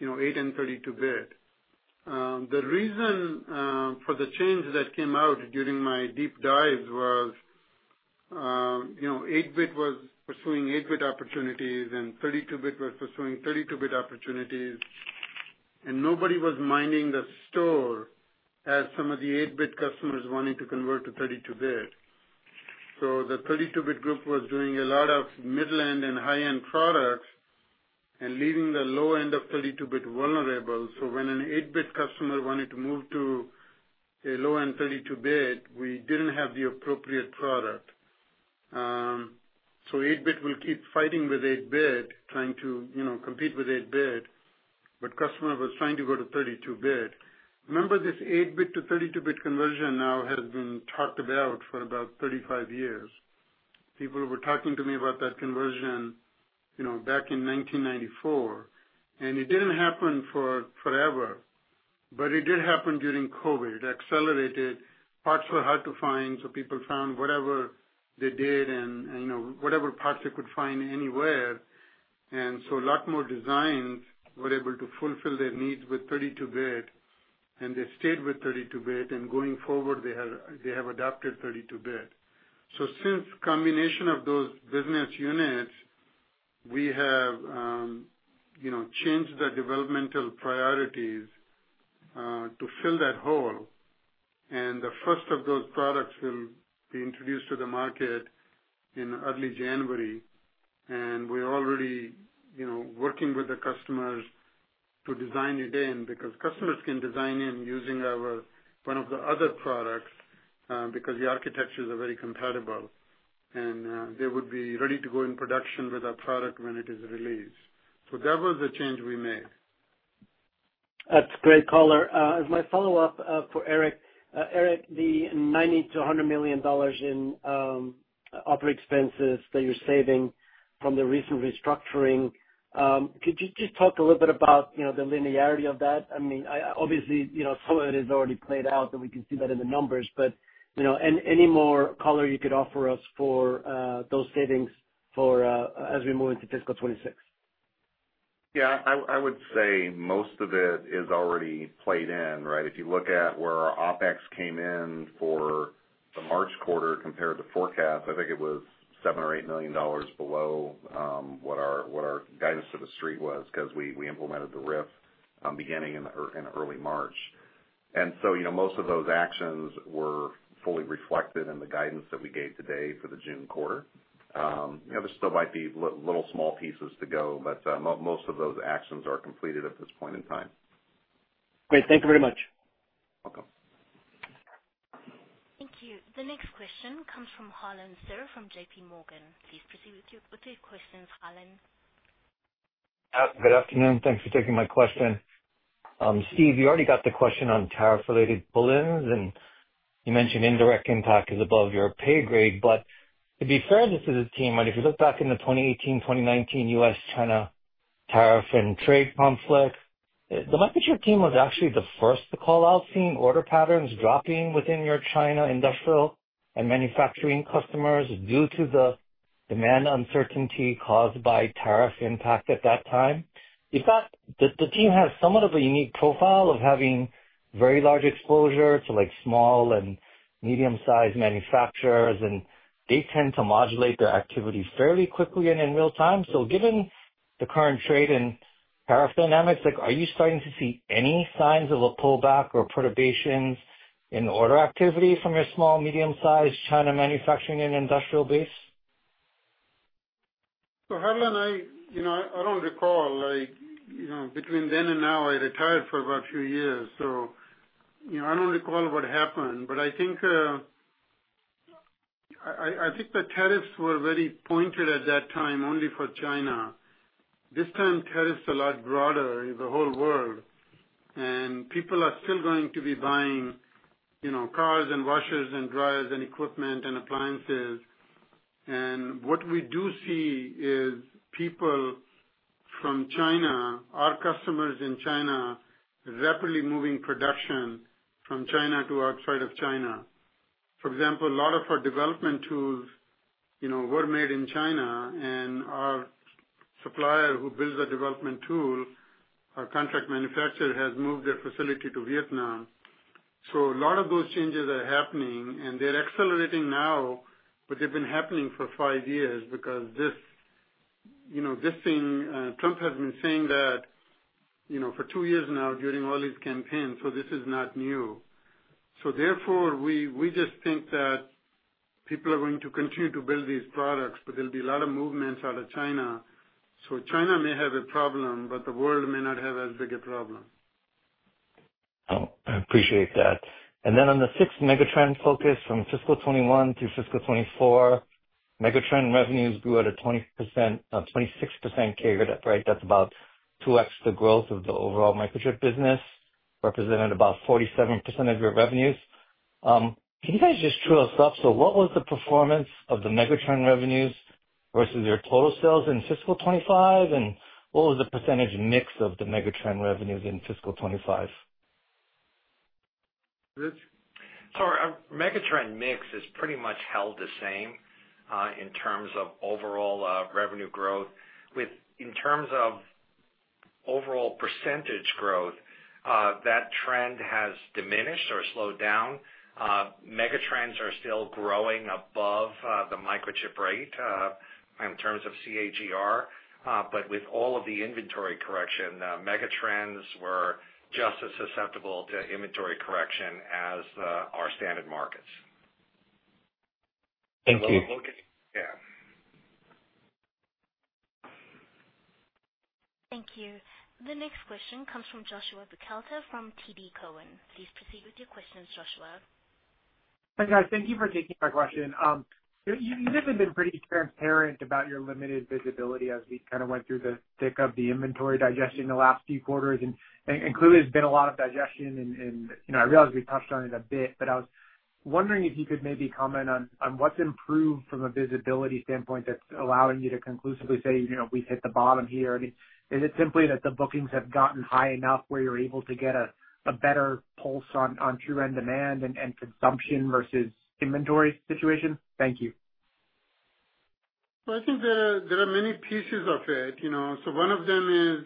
8 and 32-bit. The reason for the change that came out during my deep dives was 8-bit was pursuing 8-bit opportunities and 32-bit was pursuing 32-bit opportunities. And nobody was minding the store as some of the 8-bit customers wanted to convert to 32-bit. So the 32-bit group was doing a lot of mid-range and high-end products and leaving the low end of 32-bit vulnerable. So when an 8-bit customer wanted to move to a low end 32-bit, we didn't have the appropriate product. So 8-bit will keep fighting with 8-bit, trying to compete with 8-bit, but customer was trying to go to 32-bit. Remember, this 8-bit to 32-bit conversion now has been talked about for about 35 years. People were talking to me about that conversion back in 1994, and it didn't happen forever, but it did happen during COVID. Accelerated. Parts were hard to find, so people found whatever they did and whatever parts they could find anywhere, and so a lot more designs were able to fulfill their needs with 32-bit, and they stayed with 32-bit, and going forward, they have adopted 32-bit, so since combination of those business units, we have changed the developmental priorities to fill that hole, and the first of those products will be introduced to the market in early January, and we're already working with the customers to design it in because customers can design in using one of the other products because the architectures are very compatible. They would be ready to go in production with our product when it is released. That was the change we made. That's great, caller. As my follow-up for Eric, Eric, the $90 million-$100 million in operating expenses that you're saving from the recent restructuring, could you just talk a little bit about the linearity of that? I mean, obviously, some of it has already played out that we can see that in the numbers, but any more color you could offer us for those savings as we move into fiscal 2026? Yeah. I would say most of it is already played in, right? If you look at where our OpEx came in for the March quarter compared to forecast, I think it was $7 million or $8 million below what our guidance to the street was because we implemented the RIF beginning in early March. And so most of those actions were fully reflected in the guidance that we gave today for the June quarter. There still might be little small pieces to go, but most of those actions are completed at this point in time. Great. Thank you very much. Welcome. Thank you. The next question comes from Harlan Sur from JPMorgan. Please proceed with your questions, Harlan. Good afternoon. Thanks for taking my question. Steve, you already got the question on tariff-related issues, and you mentioned indirect impact is above your pay grade. But to be fair to the team, if you look back in the 2018, 2019 U.S.-China tariff and trade conflict, the Microchip team was actually the first to call out seeing order patterns dropping within your China industrial and manufacturing customers due to the demand uncertainty caused by tariff impact at that time. The team has somewhat of a unique profile of having very large exposure to small and medium-sized manufacturers, and they tend to modulate their activity fairly quickly and in real time. So given the current trade and tariff dynamics, are you starting to see any signs of a pullback or perturbations in order activity from your small, medium-sized China manufacturing and industrial base? Harlan, I don't recall. Between then and now, I retired for about a few years. I don't recall what happened, but I think the tariffs were very pointed at that time only for China. This time, tariffs are a lot broader in the whole world. People are still going to be buying cars and washers and dryers and equipment and appliances. What we do see is people from China, our customers in China, rapidly moving production from China to outside of China. For example, a lot of our development tools were made in China, and our supplier who builds a development tool, our contract manufacturer, has moved their facility to Vietnam. A lot of those changes are happening, and they're accelerating now, but they've been happening for five years because this thing Trump has been saying that for two years now during all his campaign. So this is not new. So therefore, we just think that people are going to continue to build these products, but there'll be a lot of movements out of China. So China may have a problem, but the world may not have as big a problem. I appreciate that. And then on the sixth Megatrends focus from fiscal 2021 through fiscal 2024, Megatrends revenues grew at a 26% carry-through, right? That's about 2x the growth of the overall Microchip business, representing about 47% of your revenues. Can you guys just true us up? So what was the performance of the Megatrends revenues versus your total sales in fiscal 2025? And what was the percentage mix of the Megatrends revenues in fiscal 2025? Sorry. Megatrends mix is pretty much held the same in terms of overall revenue growth. In terms of overall percentage growth, that trend has diminished or slowed down. Megatrends are still growing above the Microchip rate in terms of CAGR. But with all of the inventory correction, Megatrends were just as susceptible to inventory correction as our standard markets. Thank you. Thank you. The next question comes from Joshua Buchalter from TD Cowen. Please proceed with your questions, Joshua. Hi, guys. Thank you for taking our question. You guys have been pretty transparent about your limited visibility as we kind of went through the thick of the inventory digestion in the last few quarters, and clearly, there's been a lot of digestion, and I realize we touched on it a bit, but I was wondering if you could maybe comment on what's improved from a visibility standpoint that's allowing you to conclusively say, "We've hit the bottom here." I mean, is it simply that the bookings have gotten high enough where you're able to get a better pulse on true end demand and consumption versus inventory situation? Thank you. I think there are many pieces of it. So one of them is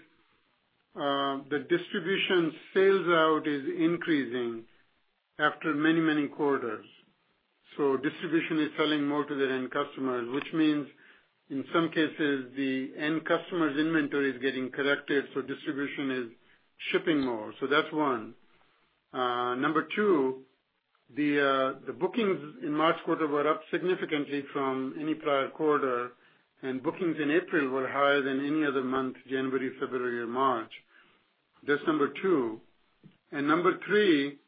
the distribution sales out is increasing after many, many quarters. So distribution is selling more to their end customers, which means in some cases, the end customer's inventory is getting corrected, so distribution is shipping more. So that's one. Number two, the bookings in March quarter were up significantly from any prior quarter, and bookings in April were higher than any other month, January, February, or March. That's number two. Number three,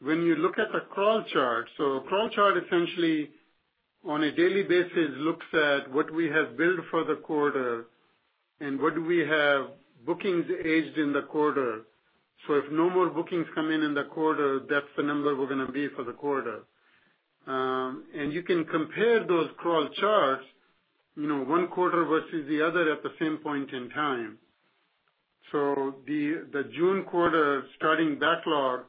when you look at the crawl chart, so a crawl chart essentially on a daily basis looks at what we have built for the quarter and what do we have bookings aged in the quarter. So if no more bookings come in in the quarter, that's the number we're going to be for the quarter. You can compare those crawl charts, one quarter versus the other at the same point in time. The June quarter starting backlog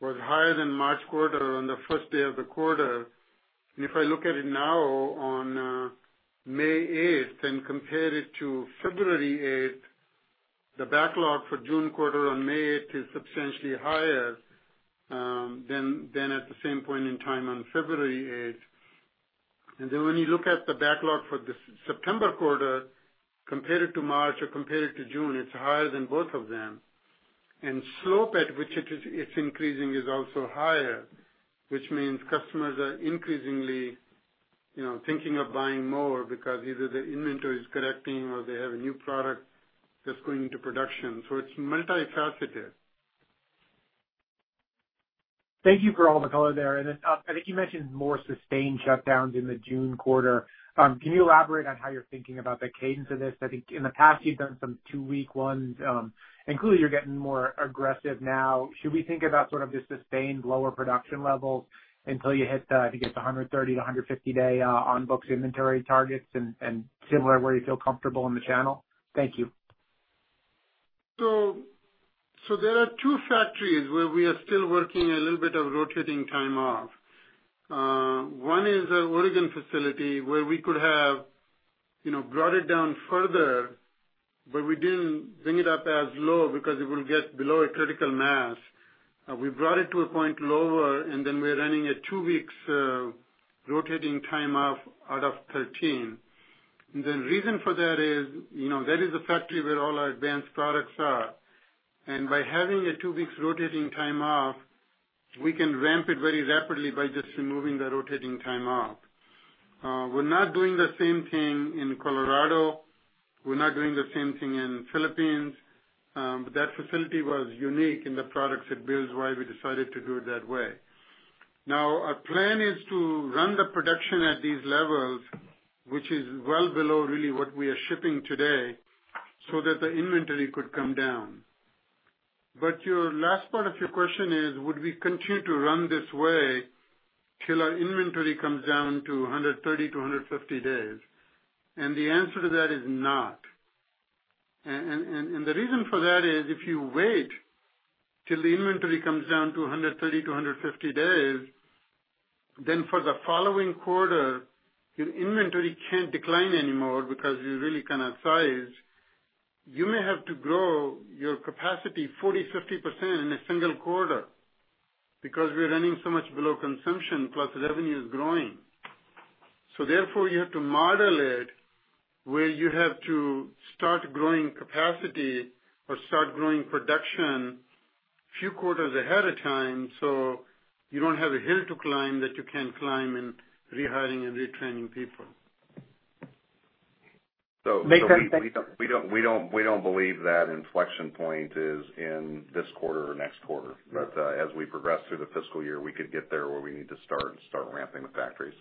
was higher than March quarter on the first day of the quarter. If I look at it now on May 8th and compare it to February 8th, the backlog for June quarter on May 8th is substantially higher than at the same point in time on February 8th. Then when you look at the backlog for the September quarter, compared to March or compared to June, it's higher than both of them. The slope at which it's increasing is also higher, which means customers are increasingly thinking of buying more because either the inventory is correcting or they have a new product that's going into production. It's multifaceted. Thank you for all the color there. And I think you mentioned more sustained shutdowns in the June quarter. Can you elaborate on how you're thinking about the cadence of this? I think in the past, you've done some two-week ones, and clearly, you're getting more aggressive now. Should we think about sort of the sustained lower production levels until you hit, I think it's 130-150-day on-books inventory targets and similar where you feel comfortable in the channel? Thank you. So there are two factories where we are still working a little bit of rotating time off. One is our Oregon facility where we could have brought it down further, but we didn't bring it up as low because it will get below a critical mass. We brought it to a point lower, and then we're running a two-week rotating time off out of 13. And the reason for that is that is the factory where all our advanced products are. And by having a two-week rotating time off, we can ramp it very rapidly by just removing the rotating time off. We're not doing the same thing in Colorado. We're not doing the same thing in the Philippines. That facility was unique in the products it builds, why we decided to do it that way. Now, our plan is to run the production at these levels, which is well below really what we are shipping today so that the inventory could come down. But your last part of your question is, would we continue to run this way till our inventory comes down to 130-150 days? And the answer to that is not. And the reason for that is if you wait till the inventory comes down to 130-150 days, then for the following quarter, your inventory can't decline anymore because you really cannot size. You may have to grow your capacity 40%-50% in a single quarter because we're running so much below consumption plus revenue is growing. So therefore, you have to model it where you have to start growing capacity or start growing production a few quarters ahead of time so you don't have a hill to climb that you can't climb in rehiring and retraining people. So we don't believe that inflection point is in this quarter or next quarter. But as we progress through the fiscal year, we could get there where we need to start ramping the factories.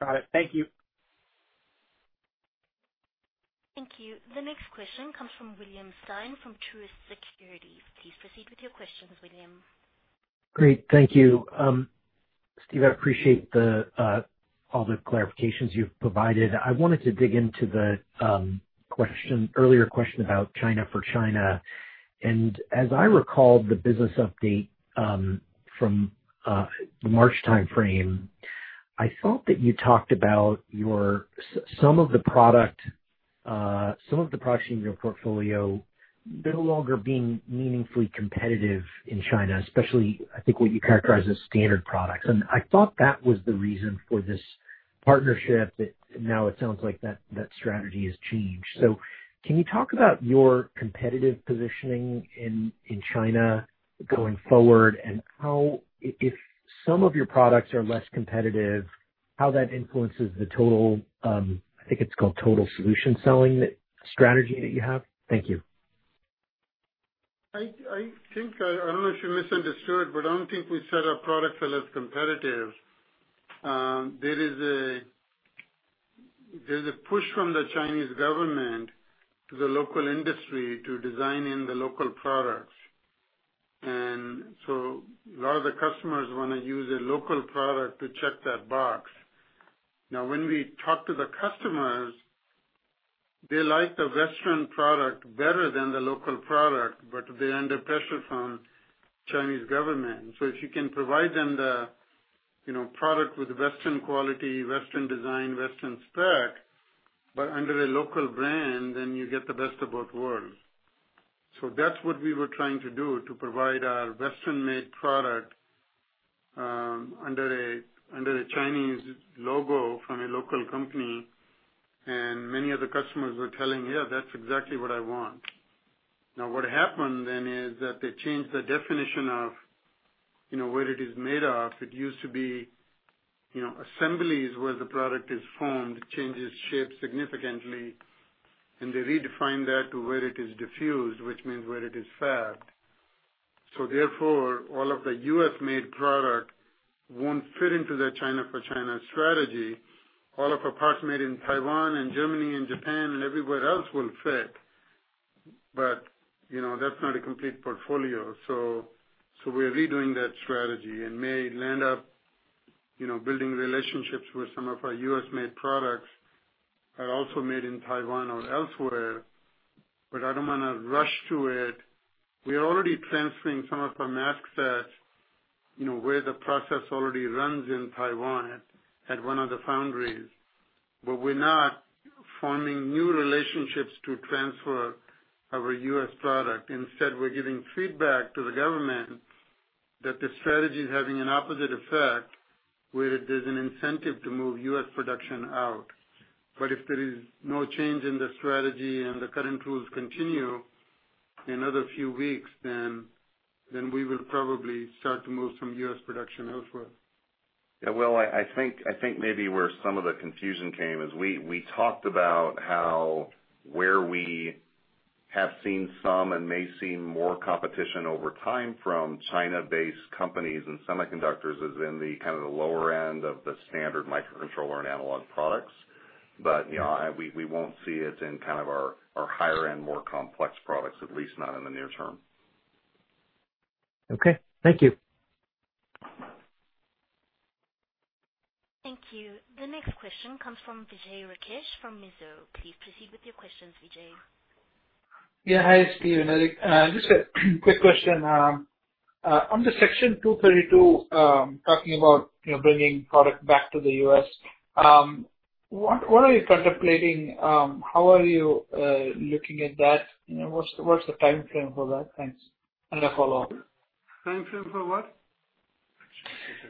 Got it. Thank you. Thank you. The next question comes from William Stein from Truist Securities. Please proceed with your questions, William. Great. Thank you. Steve, I appreciate all the clarifications you've provided. I wanted to dig into the earlier question about China for China. And as I recall the business update from the March timeframe, I thought that you talked about some of the products in your portfolio no longer being meaningfully competitive in China, especially I think what you characterize as standard products. And I thought that was the reason for this partnership that now it sounds like that strategy has changed. So can you talk about your competitive positioning in China going forward and if some of your products are less competitive, how that influences the total—I think it's called total solution selling strategy that you have? Thank you. I don't know if you misunderstood, but I don't think we sell our products that are competitive. There is a push from the Chinese government to the local industry to design in the local products. And so a lot of the customers want to use a local product to check that box. Now, when we talk to the customers, they like the Western product better than the local product, but they're under pressure from the Chinese government. So if you can provide them the product with Western quality, Western design, Western spec, but under a local brand, then you get the best of both worlds. So that's what we were trying to do to provide our Western-made product under a Chinese logo from a local company. Many of the customers were telling, "Yeah, that's exactly what I want." Now, what happened then is that they changed the definition of where it is made of. It used to be assemblies where the product is formed changes shape significantly, and they redefined that to where it is diffused, which means where it is fabbed. So therefore, all of the U.S.-made product won't fit into the China for China strategy. All of our parts made in Taiwan and Germany and Japan and everywhere else will fit, but that's not a complete portfolio. So we're redoing that strategy and may land up building relationships with some of our U.S.-made products that are also made in Taiwan or elsewhere. But I don't want to rush to it. We are already transferring some of our mask sets where the process already runs in Taiwan at one of the foundries. But we're not forming new relationships to transfer our U.S. product. Instead, we're giving feedback to the government that the strategy is having an opposite effect where there's an incentive to move U.S. production out. But if there is no change in the strategy and the current rules continue in another few weeks, then we will probably start to move some U.S. production elsewhere. Yeah. Well, I think maybe where some of the confusion came is we talked about how where we have seen some and may see more competition over time from China-based companies and semiconductors is in the kind of the lower end of the standard microcontroller and analog products. But we won't see it in kind of our higher-end, more complex products, at least not in the near term. Okay. Thank you. Thank you. The next question comes from Vijay Rakesh from Mizuho. Please proceed with your questions, Vijay. Yeah. Hi, Steven. Just a quick question. On the Section 232, talking about bringing product back to the U.S., what are you contemplating? How are you looking at that? What's the timeframe for that? Thanks. And a follow-up. Timeframe for what?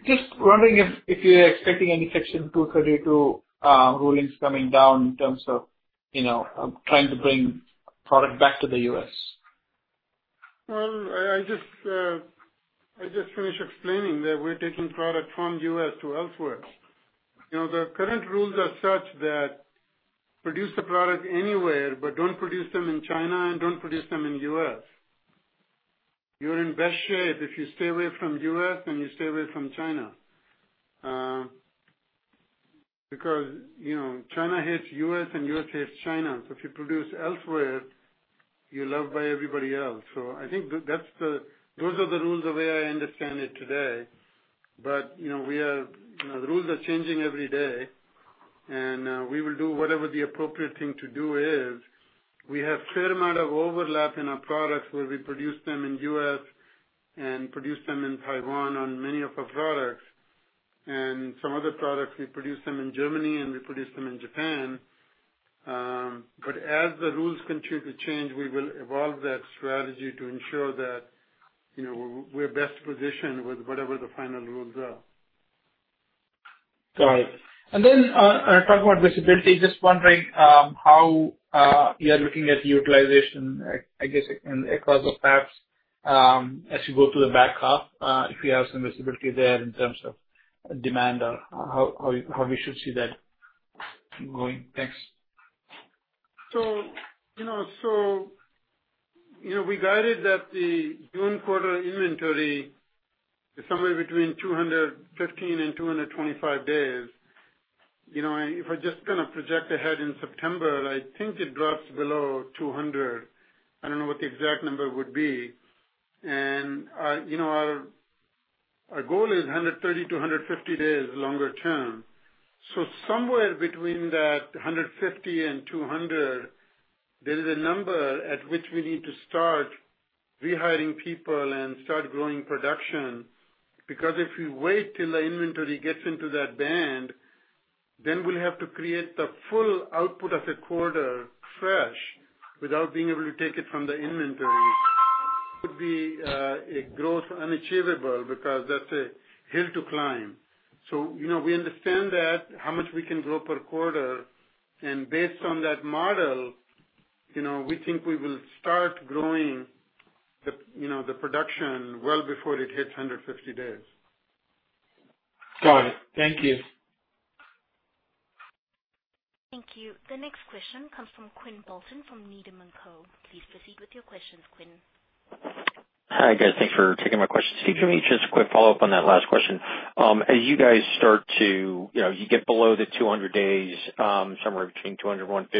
Just wondering if you're expecting any Section 232 rulings coming down in terms of trying to bring product back to the U.S.? I just finished explaining that we're taking product from U.S. to elsewhere. The current rules are such that produce the product anywhere, but don't produce them in China and don't produce them in the U.S. You're in best shape if you stay away from the U.S. and you stay away from China because China hates the U.S. and the U.S. hates China. If you produce elsewhere, you're loved by everybody else. I think those are the rules the way I understand it today. The rules are changing every day, and we will do whatever the appropriate thing to do is. We have a fair amount of overlap in our products where we produce them in the U.S. and produce them in Taiwan on many of our products. Some other products, we produce them in Germany and we produce them in Japan. But as the rules continue to change, we will evolve that strategy to ensure that we're best positioned with whatever the final rules are. Got it. And then talking about visibility, just wondering how you're looking at utilization, I guess, across the fabs as you go to the back half, if you have some visibility there in terms of demand or how we should see that going. Thanks. So we guided that the June quarter inventory is somewhere between 215 and 225 days. If we're just going to project ahead in September, I think it drops below 200. I don't know what the exact number would be. And our goal is 130 to 150 days longer term. So somewhere between that 150 and 200, there is a number at which we need to start rehiring people and start growing production because if we wait till the inventory gets into that band, then we'll have to create the full output of the quarter fresh without being able to take it from the inventory. Would be a growth unachievable because that's a hill to climb. So we understand how much we can grow per quarter. And based on that model, we think we will start growing the production well before it hits 150 days. Got it. Thank you. Thank you. The next question comes from Quinn Bolton from Needham & Co. Please proceed with your questions, Quinn. Hi, guys. Thanks for taking my questions. Steve Sanghi, just a quick follow-up on that last question. As you guys start to get below the 200 days, somewhere between 200 and 150,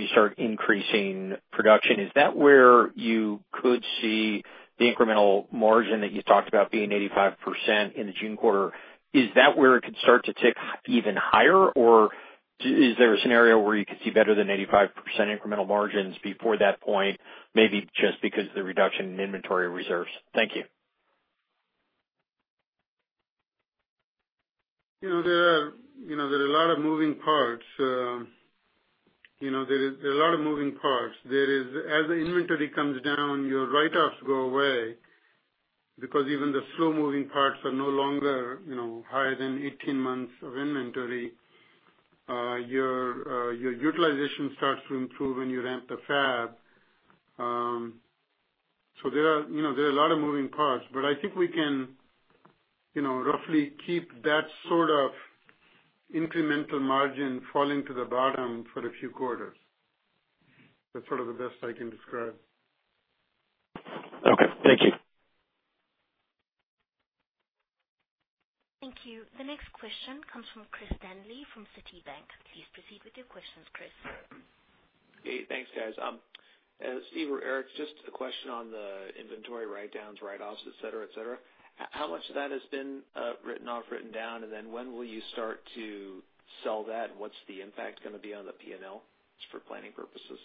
you start increasing production. Is that where you could see the incremental margin that you talked about being 85% in the June quarter? Is that where it could start to tick even higher, or is there a scenario where you could see better than 85% incremental margins before that point, maybe just because of the reduction in inventory reserves? Thank you. There are a lot of moving parts. As the inventory comes down, your write-offs go away because even the slow-moving parts are no longer higher than 18 months of inventory. Your utilization starts to improve when you ramp the fab. So there are a lot of moving parts, but I think we can roughly keep that sort of incremental margin falling to the bottom for a few quarters. That's sort of the best I can describe. Okay. Thank you. Thank you. The next question comes from Chris Danely from Citibank. Please proceed with your questions, Chris. Hey. Thanks, guys. Steve or Eric, just a question on the inventory write-downs, write-offs, etc., etc. How much of that has been written off, written down, and then when will you start to sell that? What's the impact going to be on the P&L for planning purposes?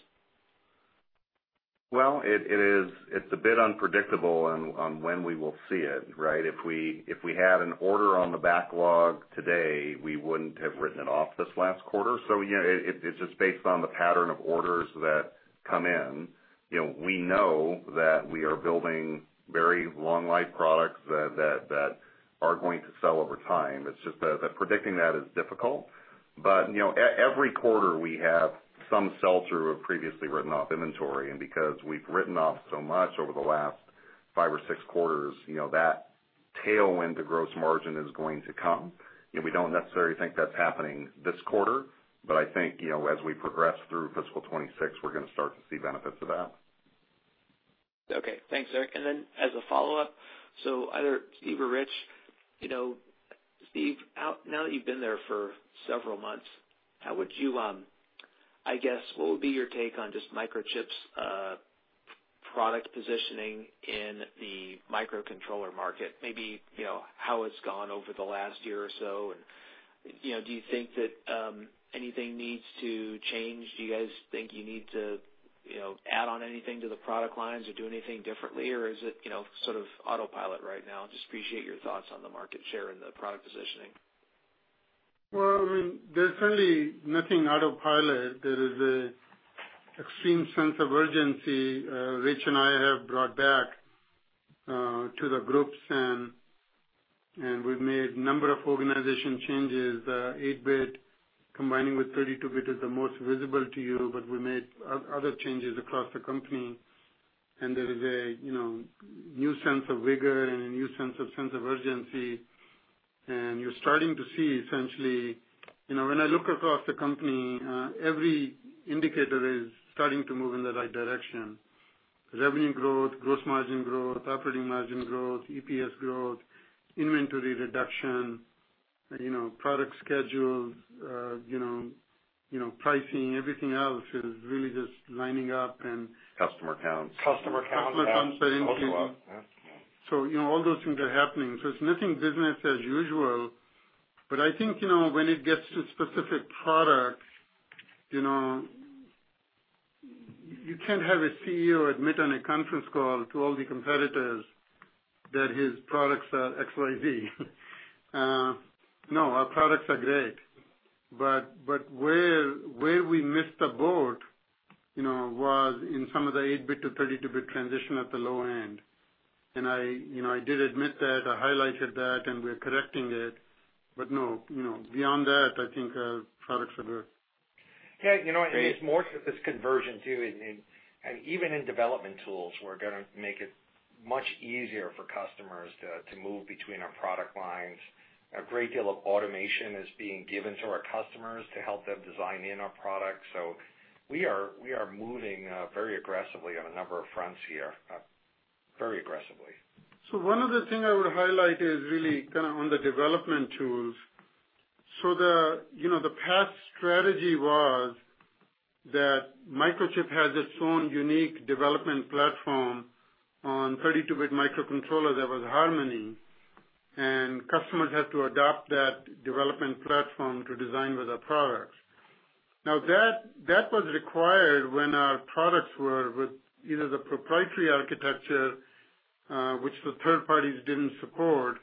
It's a bit unpredictable on when we will see it, right? If we had an order on the backlog today, we wouldn't have written it off this last quarter. So it's just based on the pattern of orders that come in. We know that we are building very long-life products that are going to sell over time. It's just that predicting that is difficult. But every quarter, we have some sell-through of previously written-off inventory. And because we've written off so much over the last five or six quarters, that tailwind to gross margin is going to come. We don't necessarily think that's happening this quarter, but I think as we progress through fiscal 2026, we're going to start to see benefits of that. Okay. Thanks, Eric. And then as a follow-up, so either Steve or Rich, Steve, now that you've been there for several months, how would you—I guess, what would be your take on just Microchip's product positioning in the microcontroller market? Maybe how it's gone over the last year or so. And do you think that anything needs to change? Do you guys think you need to add on anything to the product lines or do anything differently, or is it sort of autopilot right now? Just appreciate your thoughts on the market share and the product positioning. Well, I mean, there's certainly nothing autopilot. There is an extreme sense of urgency Rich and I have brought back to the groups, and we've made a number of organizational changes. 8-bit combining with 32-bit is the most visible to you, but we made other changes across the company. And there is a new sense of vigor and a new sense of urgency. And you're starting to see, essentially, when I look across the company, every indicator is starting to move in the right direction: revenue growth, gross margin growth, operating margin growth, EPS growth, inventory reduction, product schedules, pricing. Everything else is really just lining up and. Customer counts. Customer counts. Customer counts are increasing. So all those things are happening. So it's not business as usual. But I think when it gets to specific products, you can't have a CEO admit on a conference call to all the competitors that his products are XYZ. No, our products are great. But where we missed the boat was in some of the 8-bit to 32-bit transition at the low end. And I did admit that. I highlighted that, and we're correcting it. But no, beyond that, I think our products are good. Yeah. And it's more just this conversion too. And even in development tools, we're going to make it much easier for customers to move between our product lines. A great deal of automation is being given to our customers to help them design in our products. So we are moving very aggressively on a number of fronts here, very aggressively. So one other thing I would highlight is really kind of on the development tools. So the past strategy was that Microchip has its own unique development platform on 32-bit microcontrollers that was Harmony. And customers had to adopt that development platform to design with our products. Now, that was required when our products were with either the proprietary architecture, which the third parties didn't support,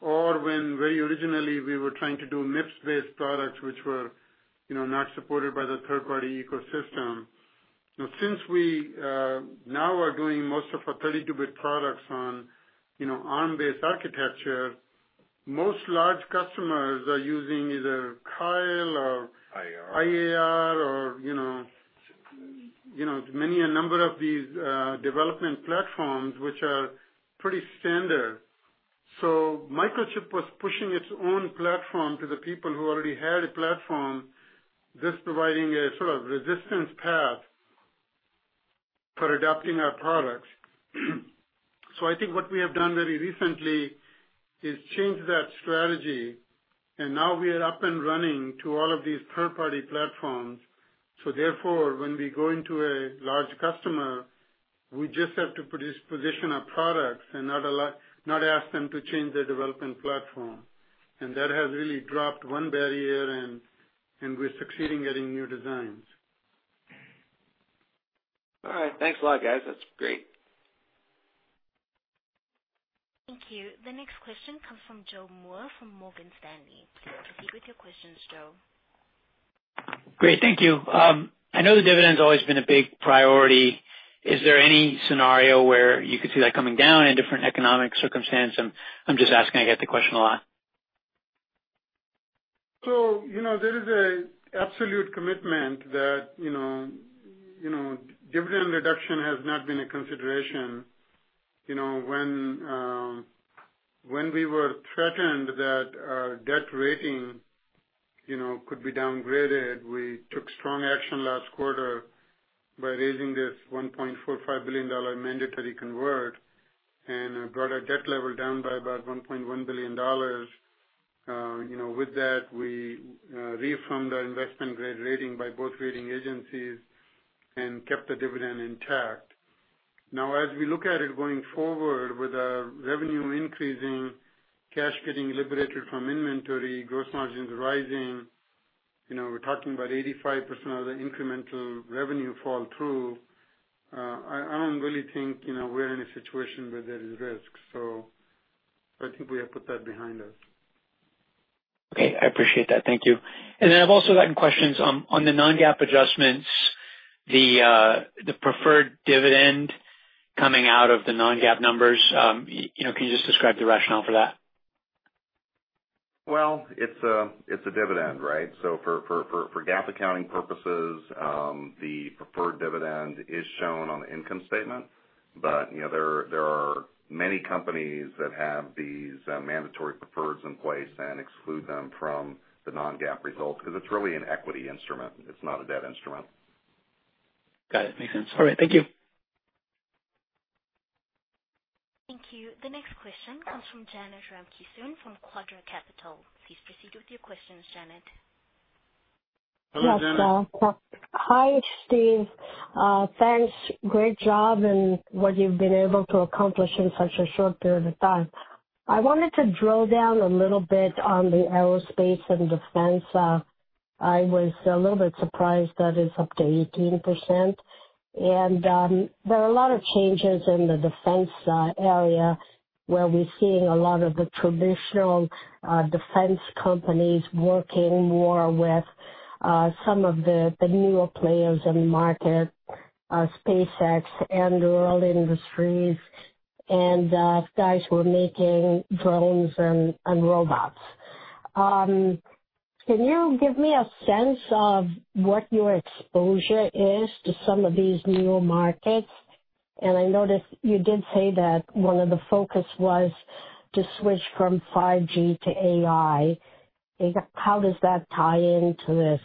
or when very originally we were trying to do MIPS-based products, which were not supported by the third-party ecosystem. Now, since we now are doing most of our 32-bit products on Arm-based architecture, most large customers are using either Keil or IAR or many a number of these development platforms, which are pretty standard. So Microchip was pushing its own platform to the people who already had a platform, thus providing a sort of resistance path for adopting our products. So I think what we have done very recently is change that strategy. And now we are up and running to all of these third-party platforms. So therefore, when we go into a large customer, we just have to position our products and not ask them to change their development platform. And that has really dropped one barrier, and we're succeeding getting new designs. All right. Thanks a lot, guys. That's great. Thank you. The next question comes from Joe Moore from Morgan Stanley. Please proceed with your questions, Joe. Great. Thank you. I know the dividend's always been a big priority. Is there any scenario where you could see that coming down in different economic circumstances? I'm just asking. I get the question a lot. So there is an absolute commitment that dividend reduction has not been a consideration. When we were threatened that our debt rating could be downgraded, we took strong action last quarter by raising this $1.45 billion mandatory convertible and brought our debt level down by about $1.1 billion. With that, we reaffirmed our investment-grade rating by both rating agencies and kept the dividend intact. Now, as we look at it going forward with our revenue increasing, cash getting liberated from inventory, gross margins rising, we're talking about 85% of the incremental revenue flow through. I don't really think we're in a situation where there is risk. So I think we have put that behind us. Okay. I appreciate that. Thank you. And then I've also gotten questions on the non-GAAP adjustments, the preferred dividend coming out of the non-GAAP numbers. Can you just describe the rationale for that? It's a dividend, right? So for GAAP accounting purposes, the preferred dividend is shown on the income statement. But there are many companies that have these mandatory preferreds in place and exclude them from the non-GAAP results because it's really an equity instrument. It's not a debt instrument. Got it. Makes sense. All right. Thank you. Thank you. The next question comes from Janet Ramkissoon from Quadra Capital. Please proceed with your questions, Janet. Hello, Janet. Yes, hi, Steve. Thanks. Great job in what you've been able to accomplish in such a short period of time. I wanted to drill down a little bit on the aerospace and defense. I was a little bit surprised that it's up to 18%. And there are a lot of changes in the defense area where we're seeing a lot of the traditional defense companies working more with some of the newer players in the market, SpaceX and Anduril Industries, and guys who are making drones and robots. Can you give me a sense of what your exposure is to some of these newer markets? And I noticed you did say that one of the focus was to switch from 5G to AI. How does that tie into this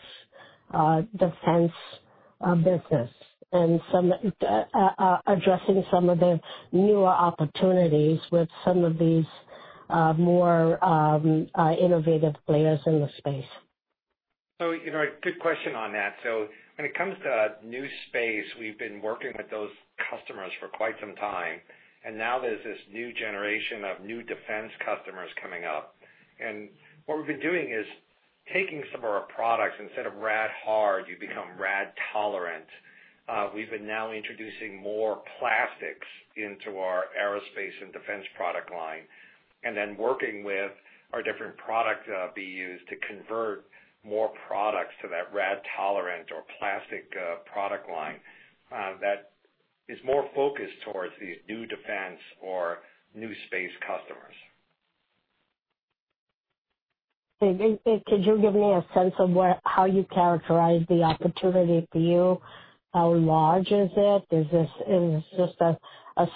defense business and addressing some of the newer opportunities with some of these more innovative players in the space? So a good question on that. So when it comes to new space, we've been working with those customers for quite some time. And now there's this new generation of new defense customers coming up. And what we've been doing is taking some of our products, instead of rad-hard, you become rad-tolerant. We've been now introducing more plastics into our aerospace and defense product line and then working with our different products that will be used to convert more products to that rad-tolerant or plastic product line that is more focused towards these new defense or new space customers. Okay. Could you give me a sense of how you characterize the opportunity for you? How large is it? Is this just a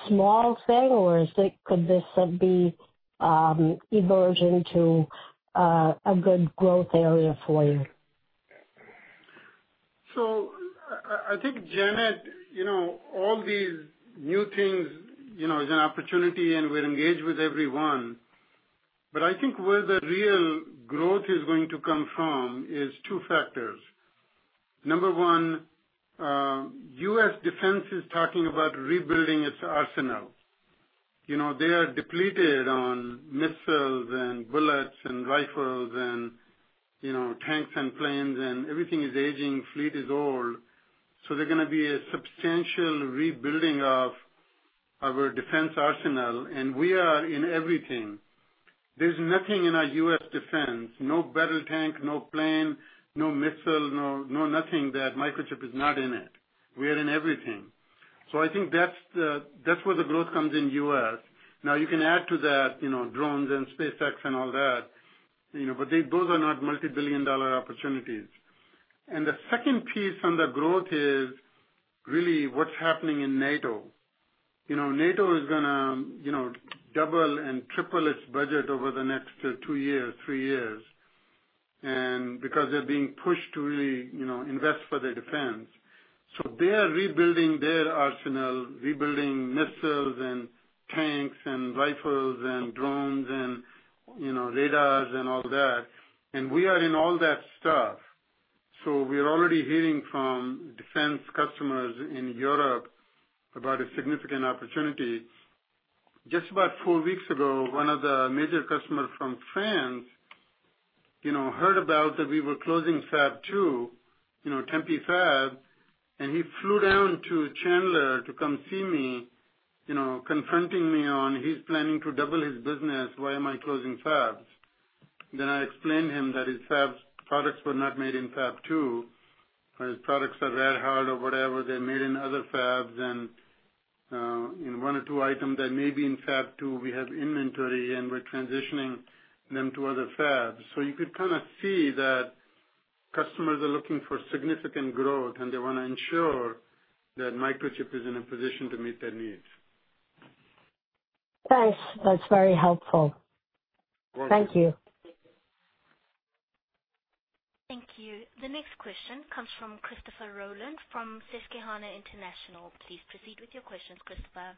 small thing, or could this be evolving to a good growth area for you? So I think, Janet, all these new things is an opportunity, and we're engaged with everyone. But I think where the real growth is going to come from is two factors. Number one, U.S. defense is talking about rebuilding its arsenal. They are depleted on missiles and bullets and rifles and tanks and planes, and everything is aging. Fleet is old. So there's going to be a substantial rebuilding of our defense arsenal. And we are in everything. There's nothing in our U.S. defense, no battle tank, no plane, no missile, no nothing that Microchip is not in it. We are in everything. So I think that's where the growth comes in the U.S. Now, you can add to that drones and SpaceX and all that, but those are not multi-billion-dollar opportunities. And the second piece on the growth is really what's happening in NATO. NATO is going to double and triple its budget over the next two years, three years, because they're being pushed to really invest for their defense. So they are rebuilding their arsenal, rebuilding missiles and tanks and rifles and drones and radars and all that. And we are in all that stuff. So we're already hearing from defense customers in Europe about a significant opportunity. Just about four weeks ago, one of the major customers from France heard about that we were closing Fab 2, Tempe Fab, and he flew down to Chandler to come see me, confronting me on he's planning to double his business. Why am I closing fabs? Then I explained to him that his Fab products were not made in Fab 2. His products are rad-hard or whatever. They're made in other fabs. And in one or two items that may be in Fab 2, we have inventory, and we're transitioning them to other fabs. So you could kind of see that customers are looking for significant growth, and they want to ensure that Microchip is in a position to meet their needs. Thanks. That's very helpful. Thank you. Thank you. The next question comes from Christopher Rolland from Susquehanna International Group. Please proceed with your questions, Christopher.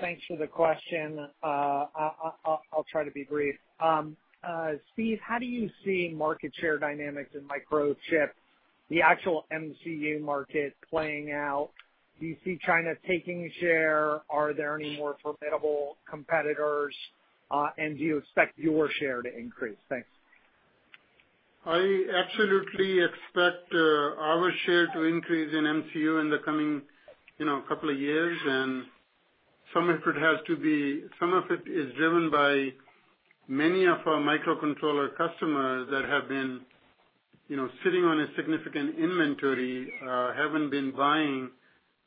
Thanks for the question. I'll try to be brief. Steve, how do you see market share dynamics in Microchip, the actual MCU market playing out? Do you see China taking a share? Are there any more formidable competitors? And do you expect your share to increase? Thanks. I absolutely expect our share to increase in MCU in the coming couple of years. Some of it is driven by many of our microcontroller customers that have been sitting on a significant inventory, haven't been buying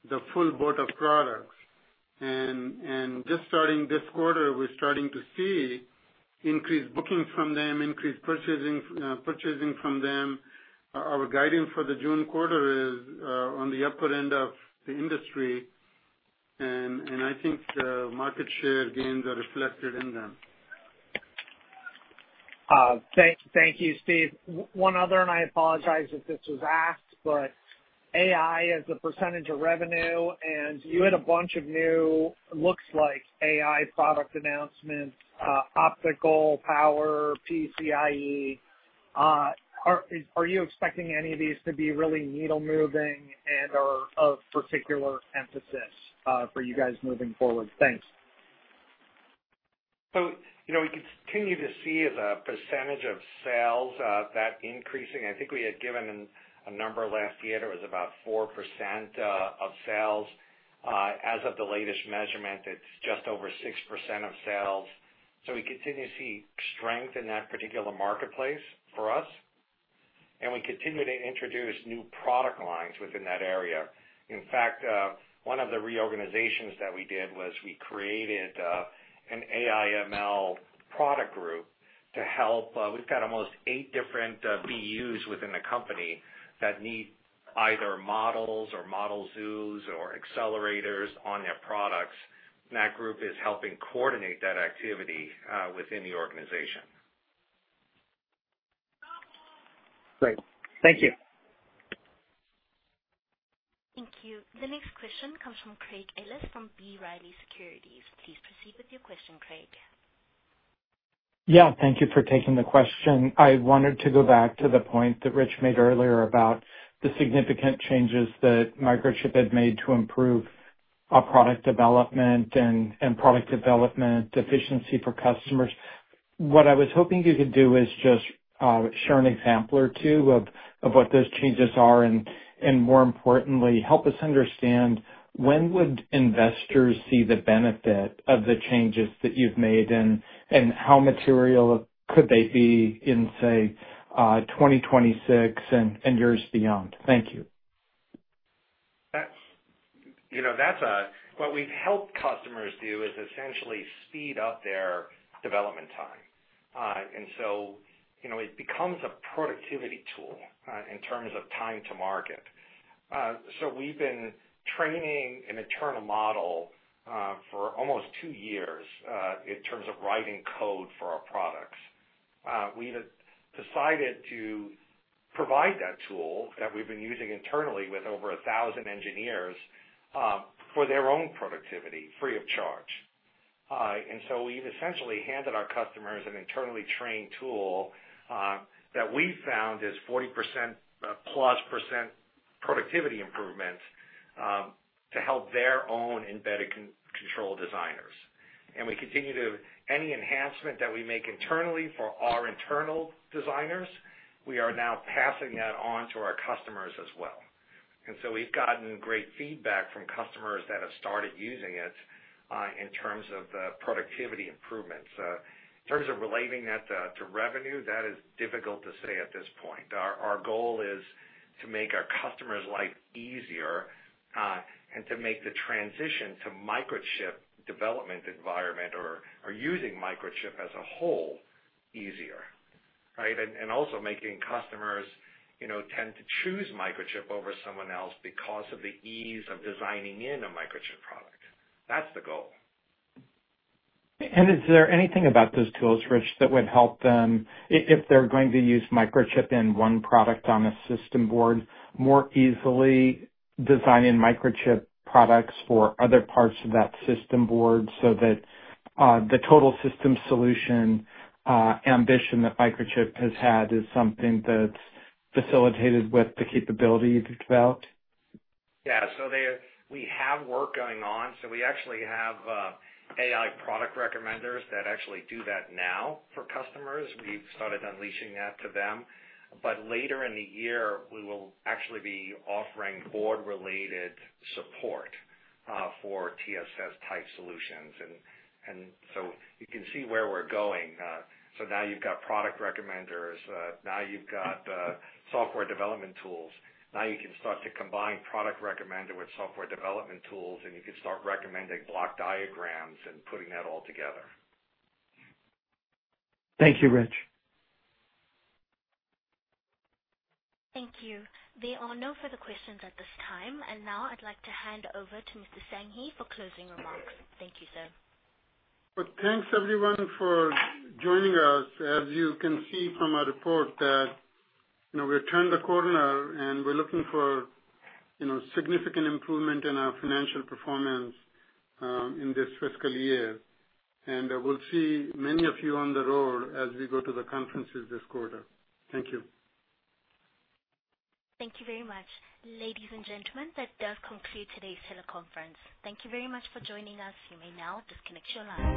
the full boat of products. Just starting this quarter, we're starting to see increased bookings from them, increased purchasing from them. Our guidance for the June quarter is on the upper end of the industry. I think the market share gains are reflected in them. Thank you, Steve. One other, and I apologize if this was asked, but AI as a percentage of revenue. And you had a bunch of new, looks like AI product announcements, optical power, PCIe. Are you expecting any of these to be really needle-moving and of particular emphasis for you guys moving forward? Thanks. We continue to see the percentage of sales that's increasing. I think we had given a number last year. It was about 4% of sales. As of the latest measurement, it's just over 6% of sales. We continue to see strength in that particular marketplace for us. We continue to introduce new product lines within that area. In fact, one of the reorganizations that we did was we created an AI/ML product group to help. We've got almost eight different BUs within the company that need either models or model zoos or accelerators on their products. That group is helping coordinate that activity within the organization. Great. Thank you. Thank you. The next question comes from Craig Ellis from B. Riley Securities. Please proceed with your question, Craig. Yeah. Thank you for taking the question. I wanted to go back to the point that Rich made earlier about the significant changes that Microchip had made to improve our product development and product development efficiency for customers. What I was hoping you could do is just share an example or two of what those changes are and, more importantly, help us understand when would investors see the benefit of the changes that you've made and how material could they be in, say, 2026 and years beyond? Thank you. That's what we've helped customers do is essentially speed up their development time. It becomes a productivity tool in terms of time to market. We've been training an internal model for almost two years in terms of writing code for our products. We've decided to provide that tool that we've been using internally with over 1,000 engineers for their own productivity, free of charge. We've essentially handed our customers an internally trained tool that we've found is 40-plus% productivity improvement to help their own embedded control designers. We continue to pass any enhancement that we make internally for our internal designers. We are now passing that on to our customers as well. We've gotten great feedback from customers that have started using it in terms of the productivity improvements. In terms of relating that to revenue, that is difficult to say at this point. Our goal is to make our customers' life easier and to make the transition to Microchip development environment or using Microchip as a whole easier, right? And also making customers tend to choose Microchip over someone else because of the ease of designing in a Microchip product. That's the goal. Is there anything about those tools, Rich, that would help them if they're going to use Microchip in one product on a system board more easily designing Microchip products for other parts of that system board so that the total system solution ambition that Microchip has had is something that's facilitated with the capability you've developed? Yeah. So we have work going on. So we actually have AI product recommenders that actually do that now for customers. We've started unleashing that to them. But later in the year, we will actually be offering board-related support for TSS-type solutions. And so you can see where we're going. So now you've got product recommenders. Now you've got software development tools. Now you can start to combine product recommender with software development tools, and you can start recommending block diagrams and putting that all together. Thank you, Rich. Thank you. There are no further questions at this time. And now I'd like to hand over to Mr. Sanghi for closing remarks. Thank you, sir. Thanks, everyone, for joining us. As you can see from our report, we've turned the corner, and we're looking for significant improvement in our financial performance in this fiscal year, and we'll see many of you on the road as we go to the conferences this quarter. Thank you. Thank you very much. Ladies and gentlemen, that does conclude today's teleconference. Thank you very much for joining us. You may now disconnect your line.